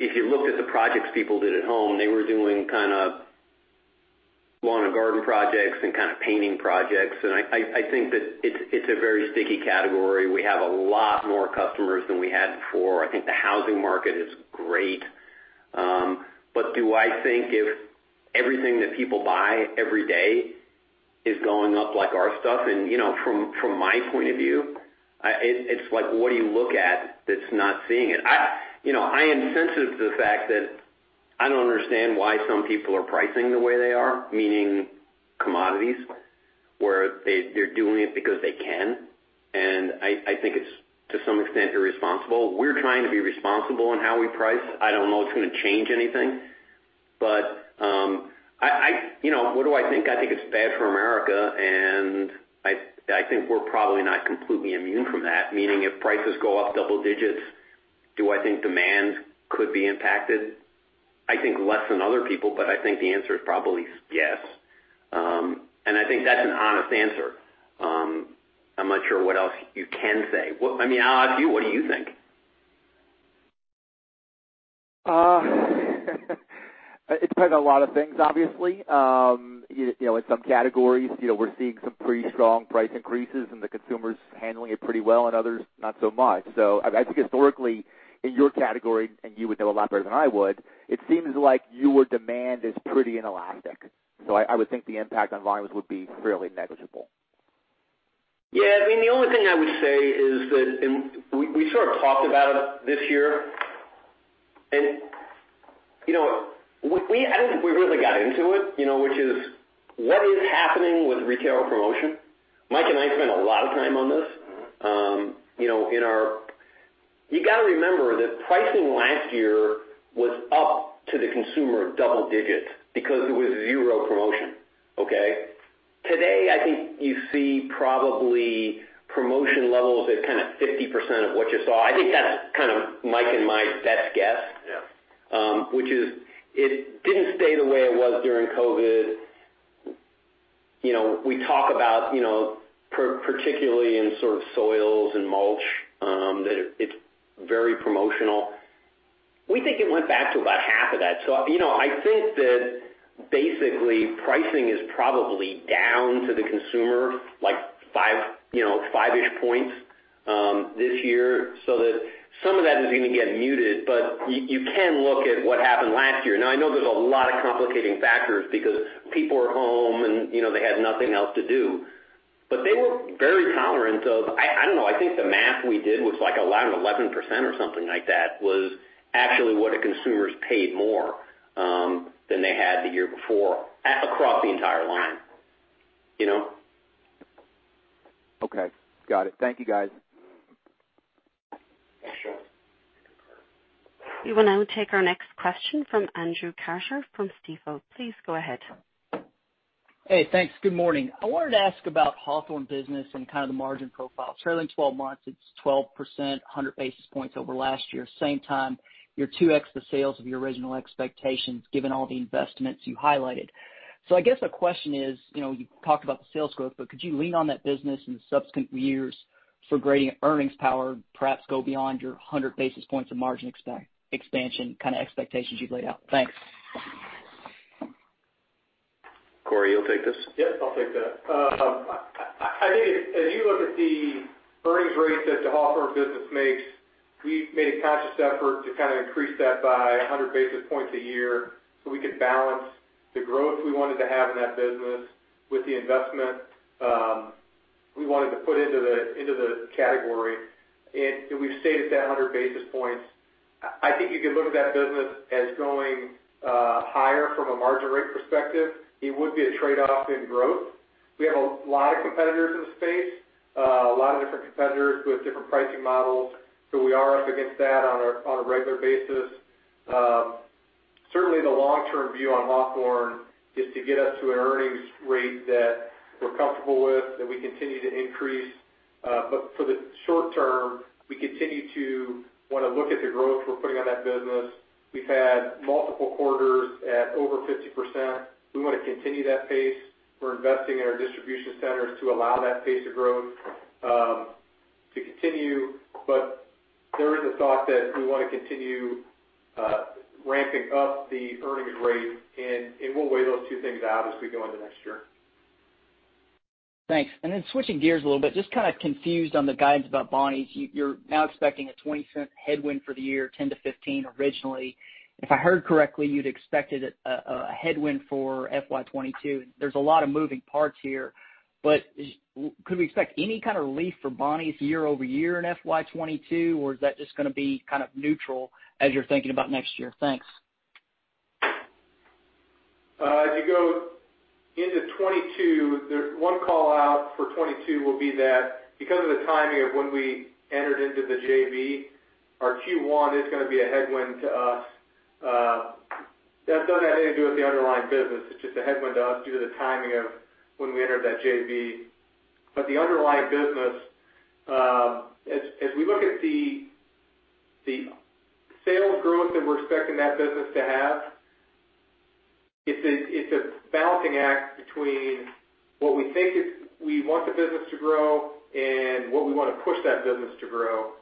If you look at the projects people did at home, they were doing kind of lawn and garden projects and kind of painting projects, and I think that it's a very sticky category. We have a lot more customers than we had before. I think the housing market is great. Do I think if everything that people buy every day is going up like our stuff? From my point of view, it's like, what do you look at that's not seeing it? I am sensitive to the fact that I don't understand why some people are pricing the way they are, meaning commodities, where they're doing it because they can, and I think it's, to some extent, irresponsible. We're trying to be responsible in how we price. I don't know it's going to change anything. What do I think? I think it's bad for America, and I think we're probably not completely immune from that. Meaning if prices go up double digits, do I think demand could be impacted? I think less than other people, but I think the answer is probably yes. I think that's an honest answer. I'm not sure what else you can say. I mean, I'll ask you, what do you think? It depends on a lot of things, obviously. In some categories, we're seeing some pretty strong price increases and the consumer's handling it pretty well, and others, not so much. I think historically in your category, and you would know a lot better than I would, it seems like your demand is pretty inelastic. I would think the impact on volumes would be fairly negligible. Yeah. I mean, the only thing I would say is that, and we sort of talked about it this year, and I don't think we really got into it, which is what is happening with retail promotion. Mike and I spent a lot of time on this. You've got to remember that pricing last year was up to the consumer double digits because there was 0 promotion, okay. Today, I think you see probably promotion levels at kind of 50% of what you saw. I think that's kind of Mike and my best guess. Yeah. It didn't stay the way it was during COVID. We talk about particularly in sort of soils and mulch, that it's very promotional. We think it went back to about half of that. I think that basically pricing is probably down to the consumer, like five-ish points this year. That some of that is going to get muted. You can look at what happened last year. I know there's a lot of complicating factors because people are home and they had nothing else to do. They were very tolerant of I don't know, I think the math we did was like around 11% or something like that, was actually what a consumer's paid more than they had the year before across the entire line. Okay. Got it. Thank you, guys. Sure. We will now take our next question from Andrew Carter from Stifel. Please go ahead. Hey, thanks. Good morning. I wanted to ask about Hawthorne business and kind of the margin profile. Trailing 12 months, it's 12%, 100 basis points over last year. Same time, you're 2x the sales of your original expectations, given all the investments you highlighted. I guess the question is, you talked about the sales growth, but could you lean on that business in the subsequent years for grading earnings power, perhaps go beyond your 100 basis points of margin expansion kind of expectations you've laid out? Thanks. Cory, you'll take this? Yes, I'll take that. I think as you look at the earnings rate that the Hawthorne business makes, we've made a conscious effort to kind of increase that by 100 basis points a year so we could balance the growth we wanted to have in that business with the investment we wanted to put into the category. We've stayed at that 100 basis points. I think you could look at that business as going higher from a margin rate perspective. It would be a trade-off in growth. We have a lot of competitors in the space, a lot of different competitors with different pricing models, so we are up against that on a regular basis. Certainly, the long-term view on Hawthorne is to get us to an earnings rate that we're comfortable with, that we continue to increase. For the short term, we continue to want to look at the growth we're putting on that business. We've had multiple quarters at over 50%. We want to continue that pace. We're investing in our distribution centers to allow that pace of growth to continue. There is a thought that we want to continue ramping up the earnings rate, and we'll weigh those two things out as we go into next year. Thanks. Then switching gears a little bit, just kind of confused on the guidance about Bonnie's. You're now expecting a $0.20 headwind for the year, $0.10-$0.15 originally. If I heard correctly, you'd expected a headwind for FY 2022. There's a lot of moving parts here, but could we expect any kind of relief for Bonnie's year-over-year in FY 2022, or is that just going to be kind of neutral as you're thinking about next year? Thanks. As you go into 2022, one call out for 2022 will be that because of the timing of when we entered into the JV, our Q1 is going to be a headwind to us. That doesn't have anything to do with the underlying business. It's just a headwind to us due to the timing of when we entered that JV. The underlying business, as we look at the sales growth that we're expecting that business to have, it's a balancing act between what we think we want the business to grow and what we want to push that business to grow.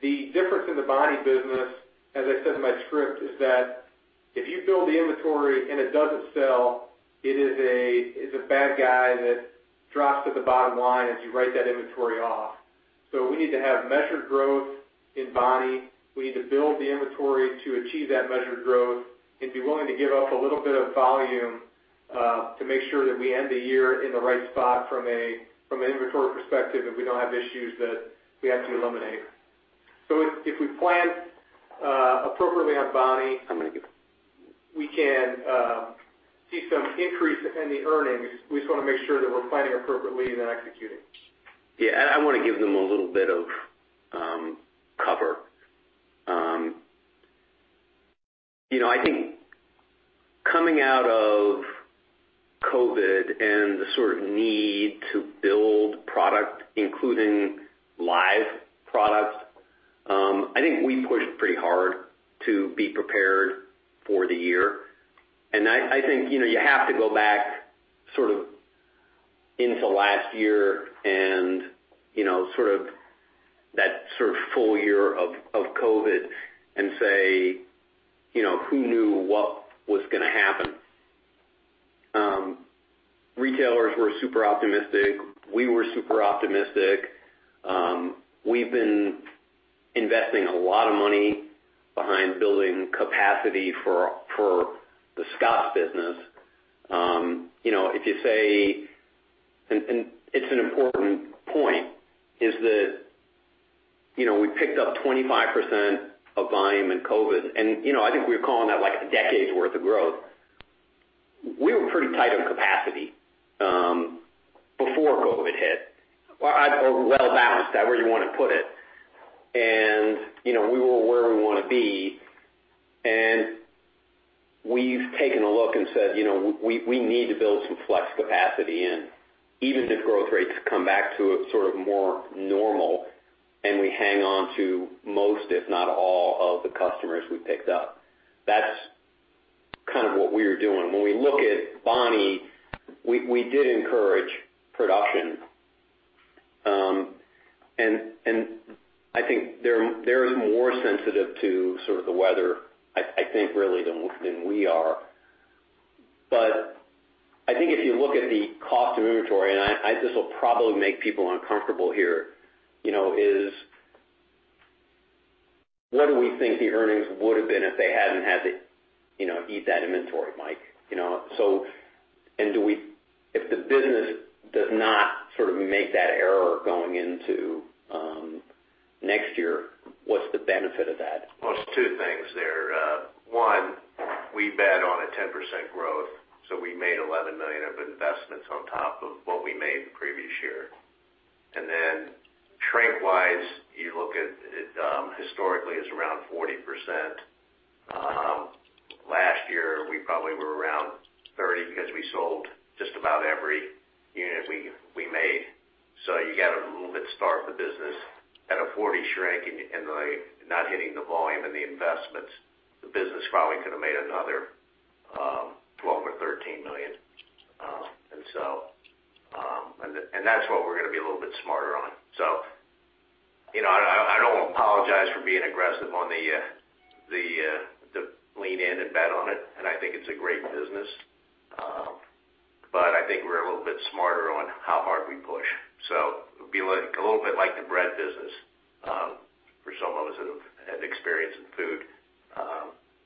The difference in the Bonnie business, as I said in my script, is that if you build the inventory and it doesn't sell, it is a bad guy that drops to the bottom line as you write that inventory off. We need to have measured growth in Bonnie. We need to build the inventory to achieve that measured growth and be willing to give up a little bit of volume to make sure that we end the year in the right spot from an inventory perspective, and we don't have issues that we have to eliminate. If we plan appropriately on Bonnie, we can see some increase in the earnings. We just want to make sure that we're planning appropriately and then executing. Yeah, I want to give them a little bit of cover. I think coming out of COVID and the sort of need to build product, including live products, I think we pushed pretty hard to be prepared for the year. I think you have to go back into last year and that sort of full year of COVID and say, who knew what was going to happen? Retailers were super optimistic. We were super optimistic. We've been investing a lot of money behind building capacity for the Scotts business. It's an important point, is that we picked up 25% of volume in COVID. I think we were calling that like a decade's worth of growth. We were pretty tight on capacity before COVID hit. Well-balanced, however you want to put it. We were where we want to be. We've taken a look and said, we need to build some flex capacity in, even if growth rates come back to a sort of more normal and we hang on to most, if not all, of the customers we picked up. That's kind of what we were doing. When we look at Bonnie, we did encourage production. I think they're more sensitive to sort of the weather, I think, really, than we are. I think if you look at the cost of inventory, and this will probably make people uncomfortable here, is what do we think the earnings would have been if they hadn't had to eat that inventory, Mike? If the business does not sort of make that error going into next year, what's the benefit of that? Well, there's two things there. One, we bet on a 10% growth. We made $11 million of investments on top of what we made the previous year. Shrink-wise, you look at it historically, it's around 40%. Last year, we probably were around 30% because we sold just about every unit we made. You got to start the business at a 40% shrink and really not hitting the volume and the investments. The business probably could have made another $12 million-$13 million. That's what we're going to be a little bit smarter on. I don't apologize for being aggressive on the lean in and bet on it, and I think it's a great business. I think we're a little bit smarter on how hard we push. It'll be a little bit like the bread business, for some of us that have had experience in food.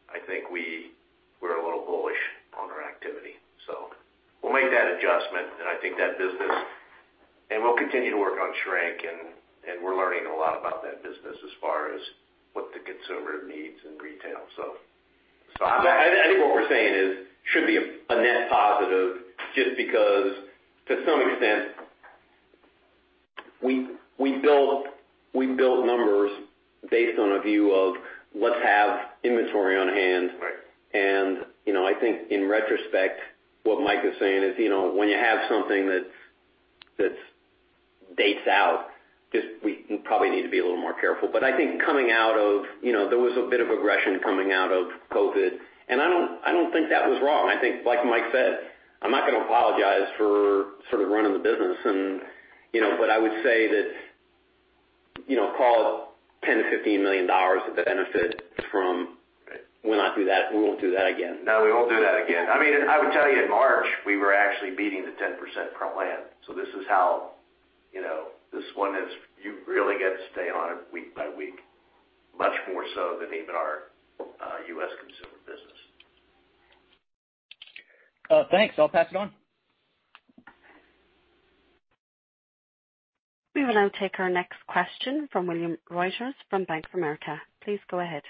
I think we're a little bullish on our activity. We'll make that adjustment and I think that business and we'll continue to work on shrink and we're learning a lot about that business as far as what the consumer needs in retail. I think what we're saying is, should be a net positive just because to some extent, we built numbers based on a view of let's have inventory on hand. Right. I think in retrospect, what Mike is saying is when you have something that dates out, just we probably need to be a little more careful. I think there was a bit of aggression coming out of COVID, and I don't think that was wrong. I think, like Mike said, I'm not going to apologize for sort of running the business, but I would say that call it $10 million-$15 million of the benefit from- Right. We'll not do that. We won't do that again. No, we won't do that again. I would tell you in March, we were actually beating the 10% plan. This one is, you really got to stay on it week by week, much more so than even our U.S. consumer business. Thanks. I'll pass it on. We will now take our next question from William Reuter from Bank of America. Please go ahead.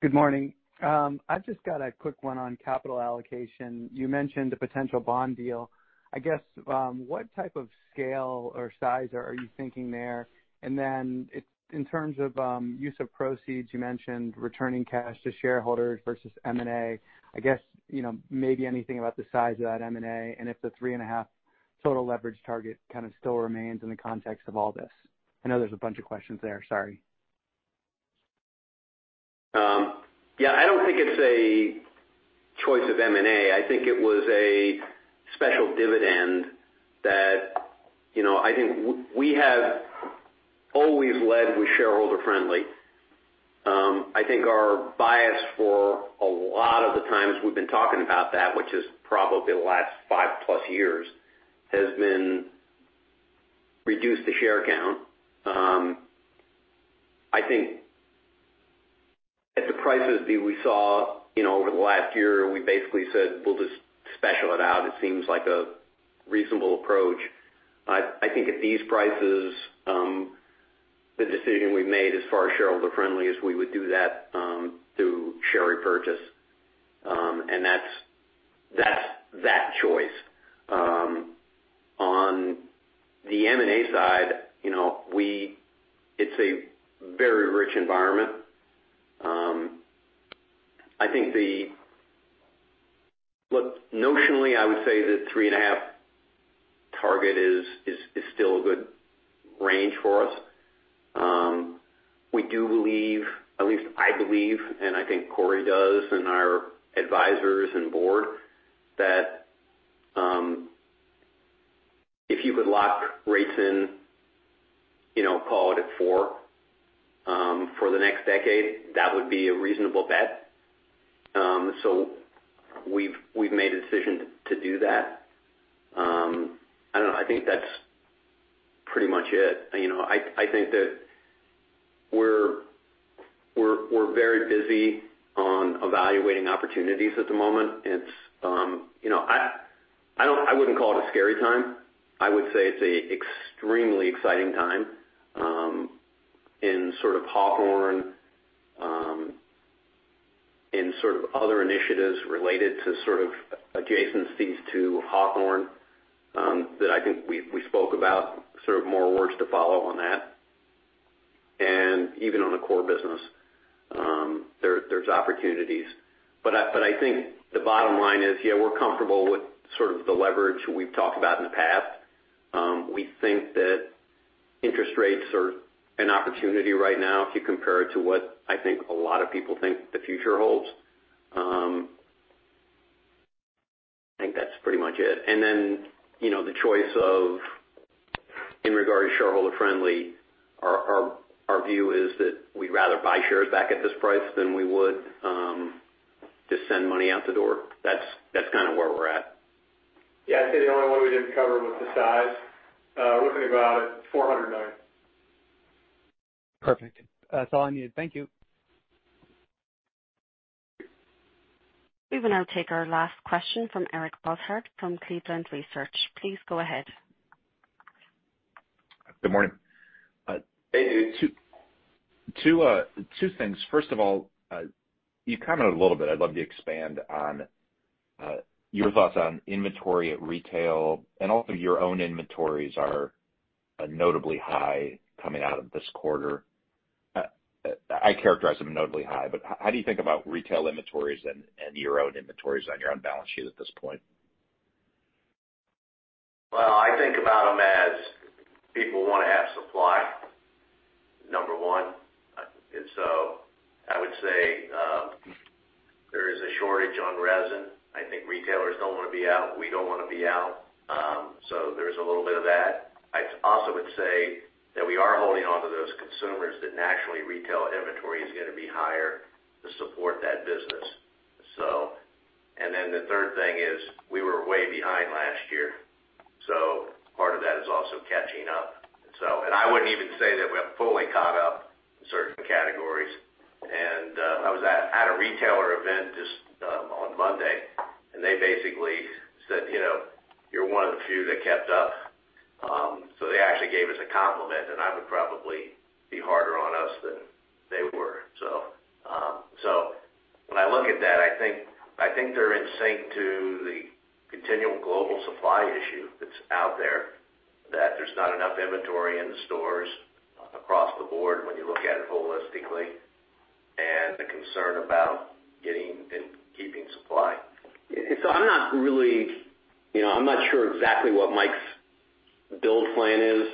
Good morning. I've just got a quick one on capital allocation. You mentioned a potential bond deal. I guess, what type of scale or size are you thinking there? In terms of use of proceeds, you mentioned returning cash to shareholders versus M&A. I guess, maybe anything about the size of that M&A and if the three and a half total leverage target kind of still remains in the context of all this. I know there's a bunch of questions there, sorry. Yeah, I don't think it's a choice of M&A. I think it was a special dividend that, I think we have always led with shareholder friendly. I think our bias for a lot of the times we've been talking about that, which is probably the last 5+ years, has been reduce the share count. I think at the prices that we saw over the last year, we basically said, we'll just special it out. It seems like a reasonable approach. I think at these prices, the decision we've made as far as shareholder friendly is we would do that through share repurchase. That's that choice. On the M&A side, it's a very rich environment. Look, notionally, I would say the 3.5 target is still a good range for us. We do believe, at least I believe, and I think Cory Miller does, and our advisors and board, that if you could lock rates in, call it at four for the next decade, that would be a reasonable bet. We've made a decision to do that. I don't know. I think that's pretty much it. I think that we're very busy on evaluating opportunities at the moment. I wouldn't call it a scary time. I would say it's a extremely exciting time in sort of Hawthorne, in sort of other initiatives related to sort of adjacencies to Hawthorne, that I think we spoke about sort of more works to follow on that. Even on the core business, there's opportunities. I think the bottom line is, yeah, we're comfortable with sort of the leverage we've talked about in the past. We think that interest rates are an opportunity right now if you compare it to what I think a lot of people think the future holds. I think that's pretty much it. The choice of, in regards to shareholder friendly, our view is that we'd rather buy shares back at this price than we would just send money out the door. That's kind of where we're at. Yeah, I'd say the only one we didn't cover was the size. We're looking about at $400 million. Perfect. That's all I needed. Thank you. We will now take our last question from Eric Bosshard from Cleveland Research. Please go ahead. Good morning. Hey, Eric. Two things. First of all, you commented a little bit, I'd love you to expand on your thoughts on inventory at retail, and also your own inventories are notably high coming out of this quarter. I characterize them notably high, but how do you think about retail inventories and your own inventories on your own balance sheet at this point? I think about them as people want to have supply, number one. I would say there is a shortage on resin. I think retailers don't want to be out. We don't want to be out. There's a little bit of that. I also would say that we are holding onto those consumers that naturally retail inventory is going to be higher to support that business. The third thing is we were way behind last year, part of that is also catching up. I wouldn't even say that we have fully caught up in certain categories. I was at a retailer event just on Monday, they basically said, "You're one of the few that kept up." They actually gave us a compliment, I would probably be harder on us than they were. When I look at that, I think they're in sync to the continual global supply issue that's out there, that there's not enough inventory in the stores across the board when you look at it holistically, and the concern about getting and keeping supply. I'm not sure exactly what Mike's build plan is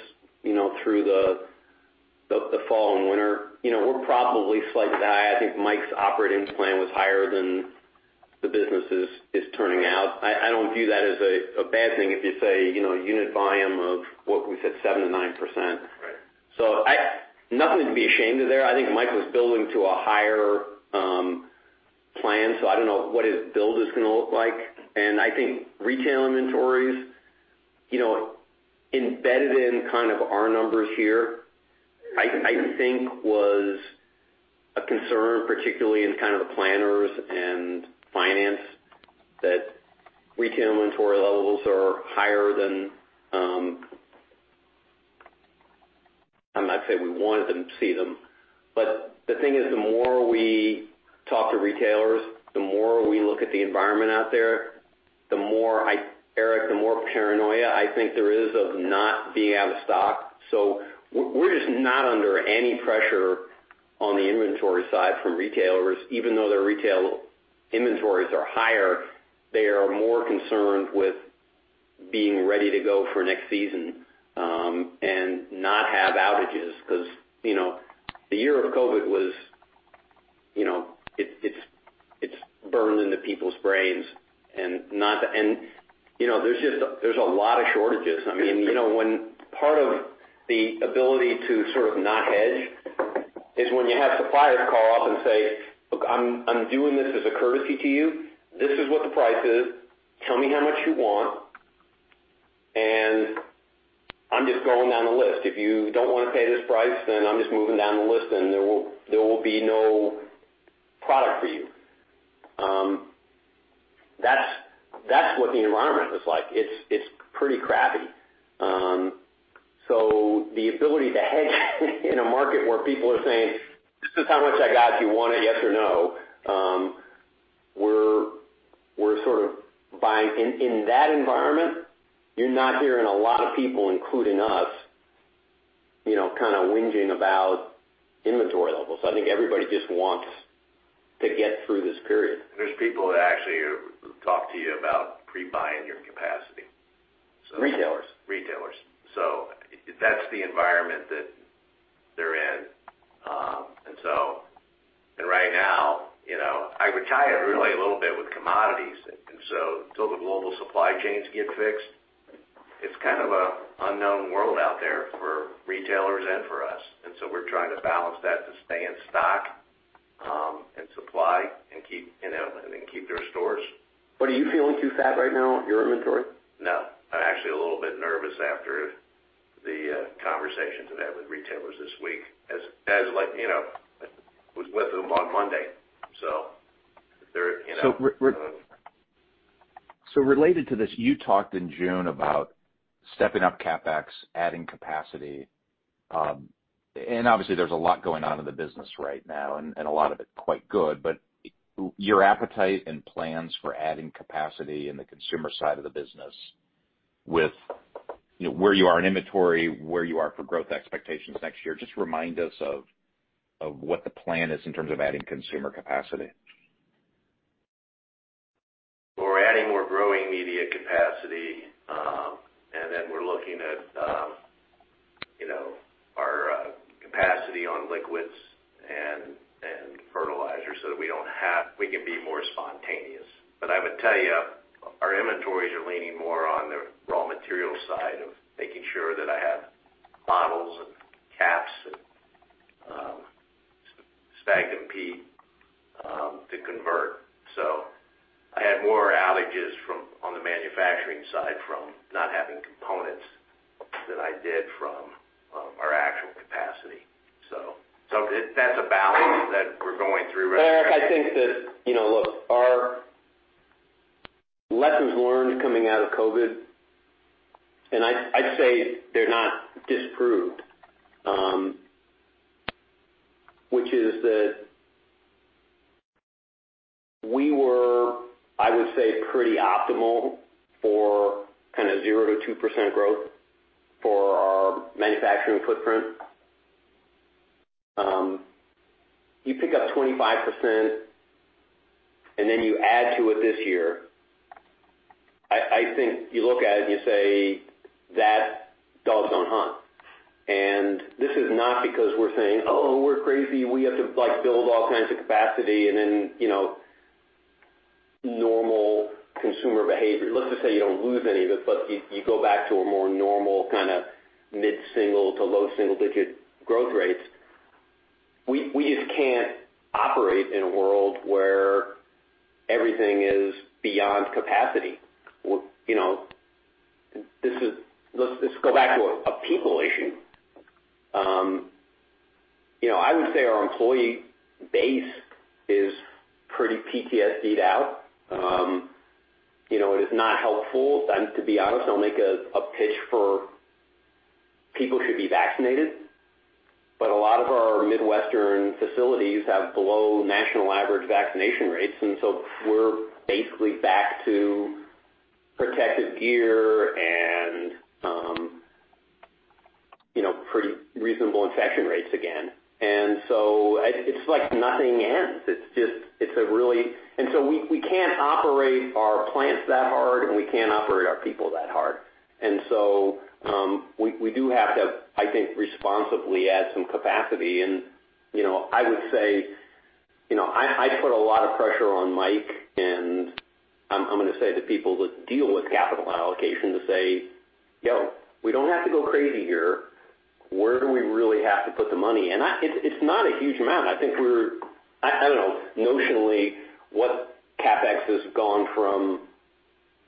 through the fall and winter. We're probably slightly high. I think Mike's operating plan was higher than the business is turning out. I don't view that as a bad thing if you say, a unit volume of what we said, 7%-9%. Right. Nothing to be ashamed of there. I think Mike was building to a higher plan, so I don't know what his build is going to look like. I think retail inventories, embedded in kind of our numbers here, I think was a concern, particularly in kind of the planners and finance, that retail inventory levels are higher than I'm not saying we wanted to see them. The thing is, the more we talk to retailers, the more we look at the environment out there, Eric, the more paranoia I think there is of not being out of stock. We're just not under any pressure on the inventory side from retailers. Even though their retail inventories are higher, they are more concerned with being ready to go for next season, and not have outages because the year of COVID was, it's burned into people's brains and there's a lot of shortages. When part of the ability to sort of not hedge is when you have suppliers call up and say, "Look, I'm doing this as a courtesy to you. This is what the price is. Tell me how much you want, and I'm just going down the list. If you don't want to pay this price, then I'm just moving down the list, and there will be no product for you." That's what the environment is like. It's pretty crappy. The ability to hedge in a market where people are saying, "This is how much I got. Do you want it, yes or no?" In that environment, you're not hearing a lot of people, including us, kind of whinging about inventory levels. I think everybody just wants to get through this period. There's people that actually talk to you about pre-buying your capacity. Retailers. Retailers. That's the environment that they're in. Right now, I would tie it really a little bit with commodities. Until the global supply chains get fixed, it's kind of a unknown world out there for retailers and for us. We're trying to balance that to stay in stock, and supply and keep their stores. Are you feeling too fat right now with your inventory? No. I'm actually a little bit nervous after the conversations I've had with retailers this week as I was with them on Monday. Related to this, you talked in June about stepping up CapEx, adding capacity. Obviously there's a lot going on in the business right now and a lot of it quite good, but your appetite and plans for adding capacity in the consumer side of the business with where you are in inventory, where you are for growth expectations next year, just remind us of what the plan is in terms of adding consumer capacity? We're adding more growing media capacity, and then we're looking at our capacity on liquids and fertilizer so that we can be more spontaneous. I would tell you, our inventories are leaning more on the raw material side of making sure that I have bottles and caps and Sphagnum peat to convert. I had more outages on the manufacturing side from not having components than I did from our actual capacity. That's a balance that we're going through right now. Eric, I think that, look, lessons learned coming out of COVID, and I'd say they're not disproved, which is that we were, I would say, pretty optimal for kind of 0% to 2% growth for our manufacturing footprint. You pick up 25% and then you add to it this year. I think you look at it and you say, "That dog don't hunt." This is not because we're saying, "Oh, we're crazy. We have to build all kinds of capacity." Normal consumer behavior. Let's just say you don't lose any of it, but you go back to a more normal kind of mid-single to low double-digit growth rates. We just can't operate in a world where everything is beyond capacity. Let's go back to a people issue. I would say our employee base is pretty PTSD'd out. It is not helpful. To be honest, I'll make a pitch for people who should be vaccinated. A lot of our Midwestern facilities have below national average vaccination rates, we're basically back to protective gear and pretty reasonable infection rates again. It's like nothing ends. We can't operate our plants that hard, and we can't operate our people that hard. We do have to, I think, responsibly add some capacity. I would say, I put a lot of pressure on Mike, and I'm going to say the people that deal with capital allocation to say, "Yo, we don't have to go crazy here. Where do we really have to put the money?" It's not a huge amount. I don't know, notionally what CapEx has gone from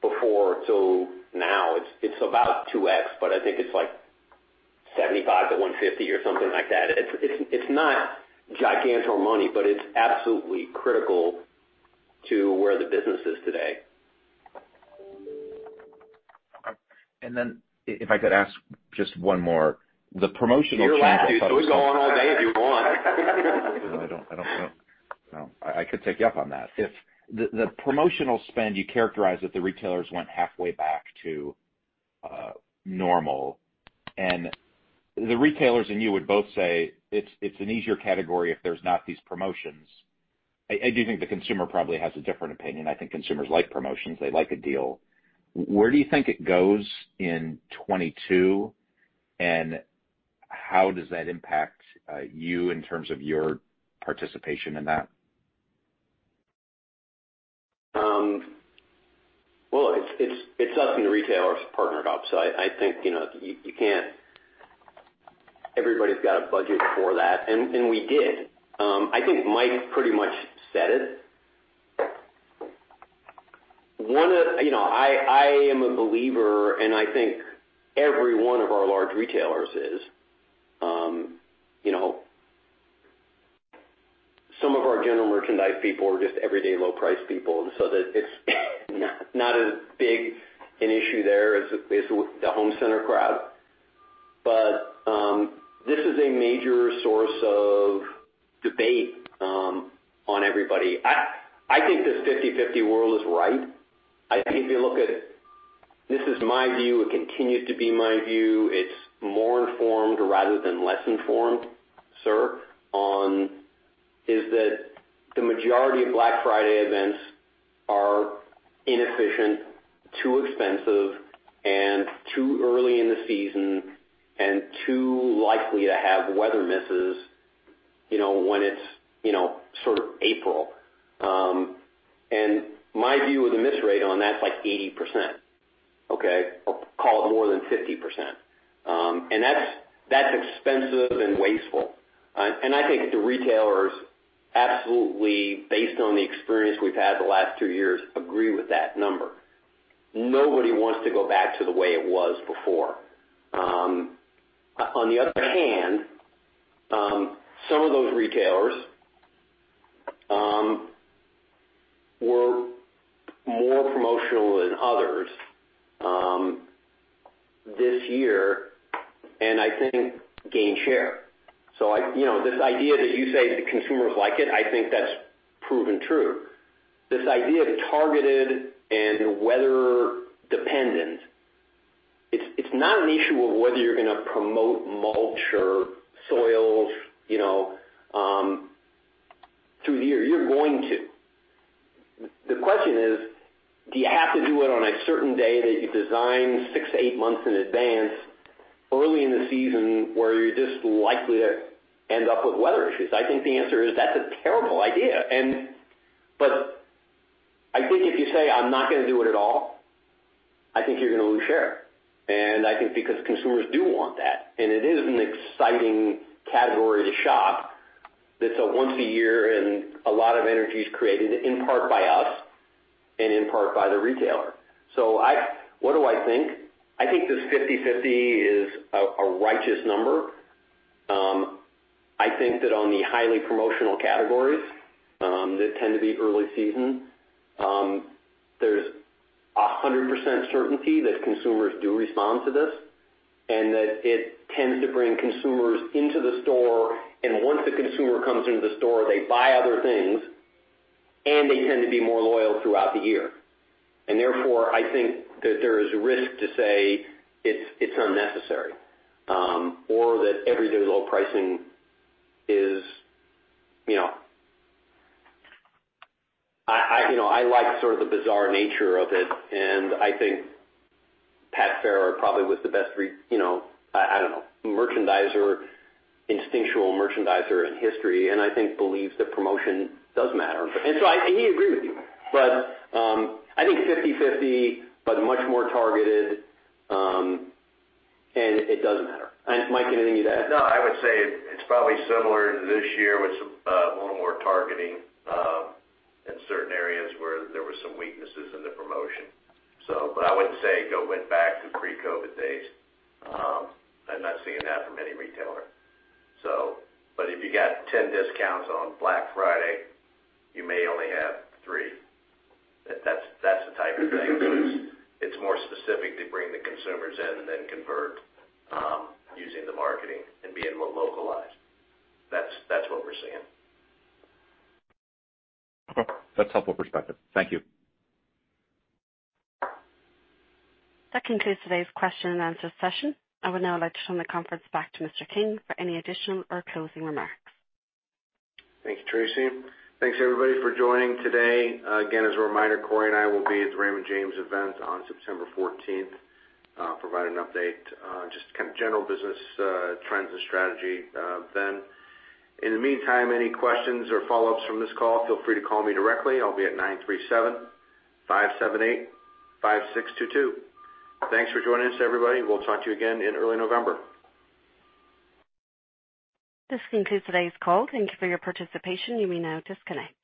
before till now. It's about 2x. I think it's like $75-$150 or something like that. It's not gigantic money, it's absolutely critical to where the business is today. If I could ask just one more. The promotional channel- You're allowed to. We can go on all day if you want. No, I don't want to. No, I could take you up on that. If the promotional spend, you characterize that the retailers went halfway back to normal, and the retailers and you would both say it's an easier category if there's not these promotions. I do think the consumer probably has a different opinion. I think consumers like promotions. They like a deal. Where do you think it goes in 2022, and how does that impact you in terms of your participation in that? Well, it's us and the retailers partnered up. I think everybody's got a budget for that, and we did. I think Mike pretty much said it. I am a believer, and I think every one of our large retailers is. Some of our general merchandise people are just everyday low price people, so that it's not as big an issue there as with the home center crowd. This is a major source of debate on everybody. I think this 50-50 world is right. I think if you look at it, this is my view, it continues to be my view. It's more informed rather than less informed, sir. Is that the majority of Black Friday events are inefficient, too expensive, and too early in the season, and too likely to have weather misses when it's sort of April. My view of the miss rate on that is like 80%. Okay. I'll call it more than 50%. That's expensive and wasteful. I think the retailers absolutely, based on the experience we've had the last two years, agree with that number. Nobody wants to go back to the way it was before. On the other hand, some of those retailers were more promotional than others this year and I think gained share. This idea that you say the consumers like it, I think that's proven true. This idea of targeted and weather-dependent, it's not an issue of whether you're going to promote mulch or soils through the year. You're going to. The question is, do you have to do it on a certain day that you design 6-8 months in advance, early in the season, where you're just likely to end up with weather issues? I think the answer is that's a terrible idea. I think if you say, "I'm not going to do it at all," I think you're going to lose share. I think because consumers do want that, and it is an exciting category to shop, that's a once a year and a lot of energy is created in part by us and in part by the retailer. What do I think? I think this 50-50 is a righteous number. I think that on the highly promotional categories that tend to be early season, there's 100% certainty that consumers do respond to this, and that it tends to bring consumers into the store. Once the consumer comes into the store, they buy other things, and they tend to be more loyal throughout the year. Therefore, I think that there is risk to say it's unnecessary, or that everyday low pricing is I like sort of the bizarre nature of it, and I think Pat Farrah probably was the best, I don't know, instinctual merchandiser in history, and I think believes that promotion does matter. He agrees with you. I think 50/50, but much more targeted, and it does matter. Mike, anything you'd add? No, I would say it's probably similar to this year with a little more targeting in certain areas where there were some weaknesses in the promotion. I wouldn't say go win back to pre-COVID days. I'm not seeing that from any retailer. If you got 10 discounts on Black Friday, you may only have three. That's the type of thing. It's more specific to bring the consumers in and then convert using the marketing and being more localized. That's what we're seeing. Okay. That's helpful perspective. Thank you. That concludes today's question and answer session. I would now like to turn the conference back to Mr. King for any additional or closing remarks. Thank you, Tracy. Thanks everybody for joining today. Again, as a reminder, Cory and I will be at the Raymond James event on September 14th, providing an update, just general business trends and strategy then. In the meantime, any questions or follow-ups from this call, feel free to call me directly. I'll be at 937-578-5622. Thanks for joining us, everybody. We'll talk to you again in early November. This concludes today's call. Thank you for your participation. You may now disconnect.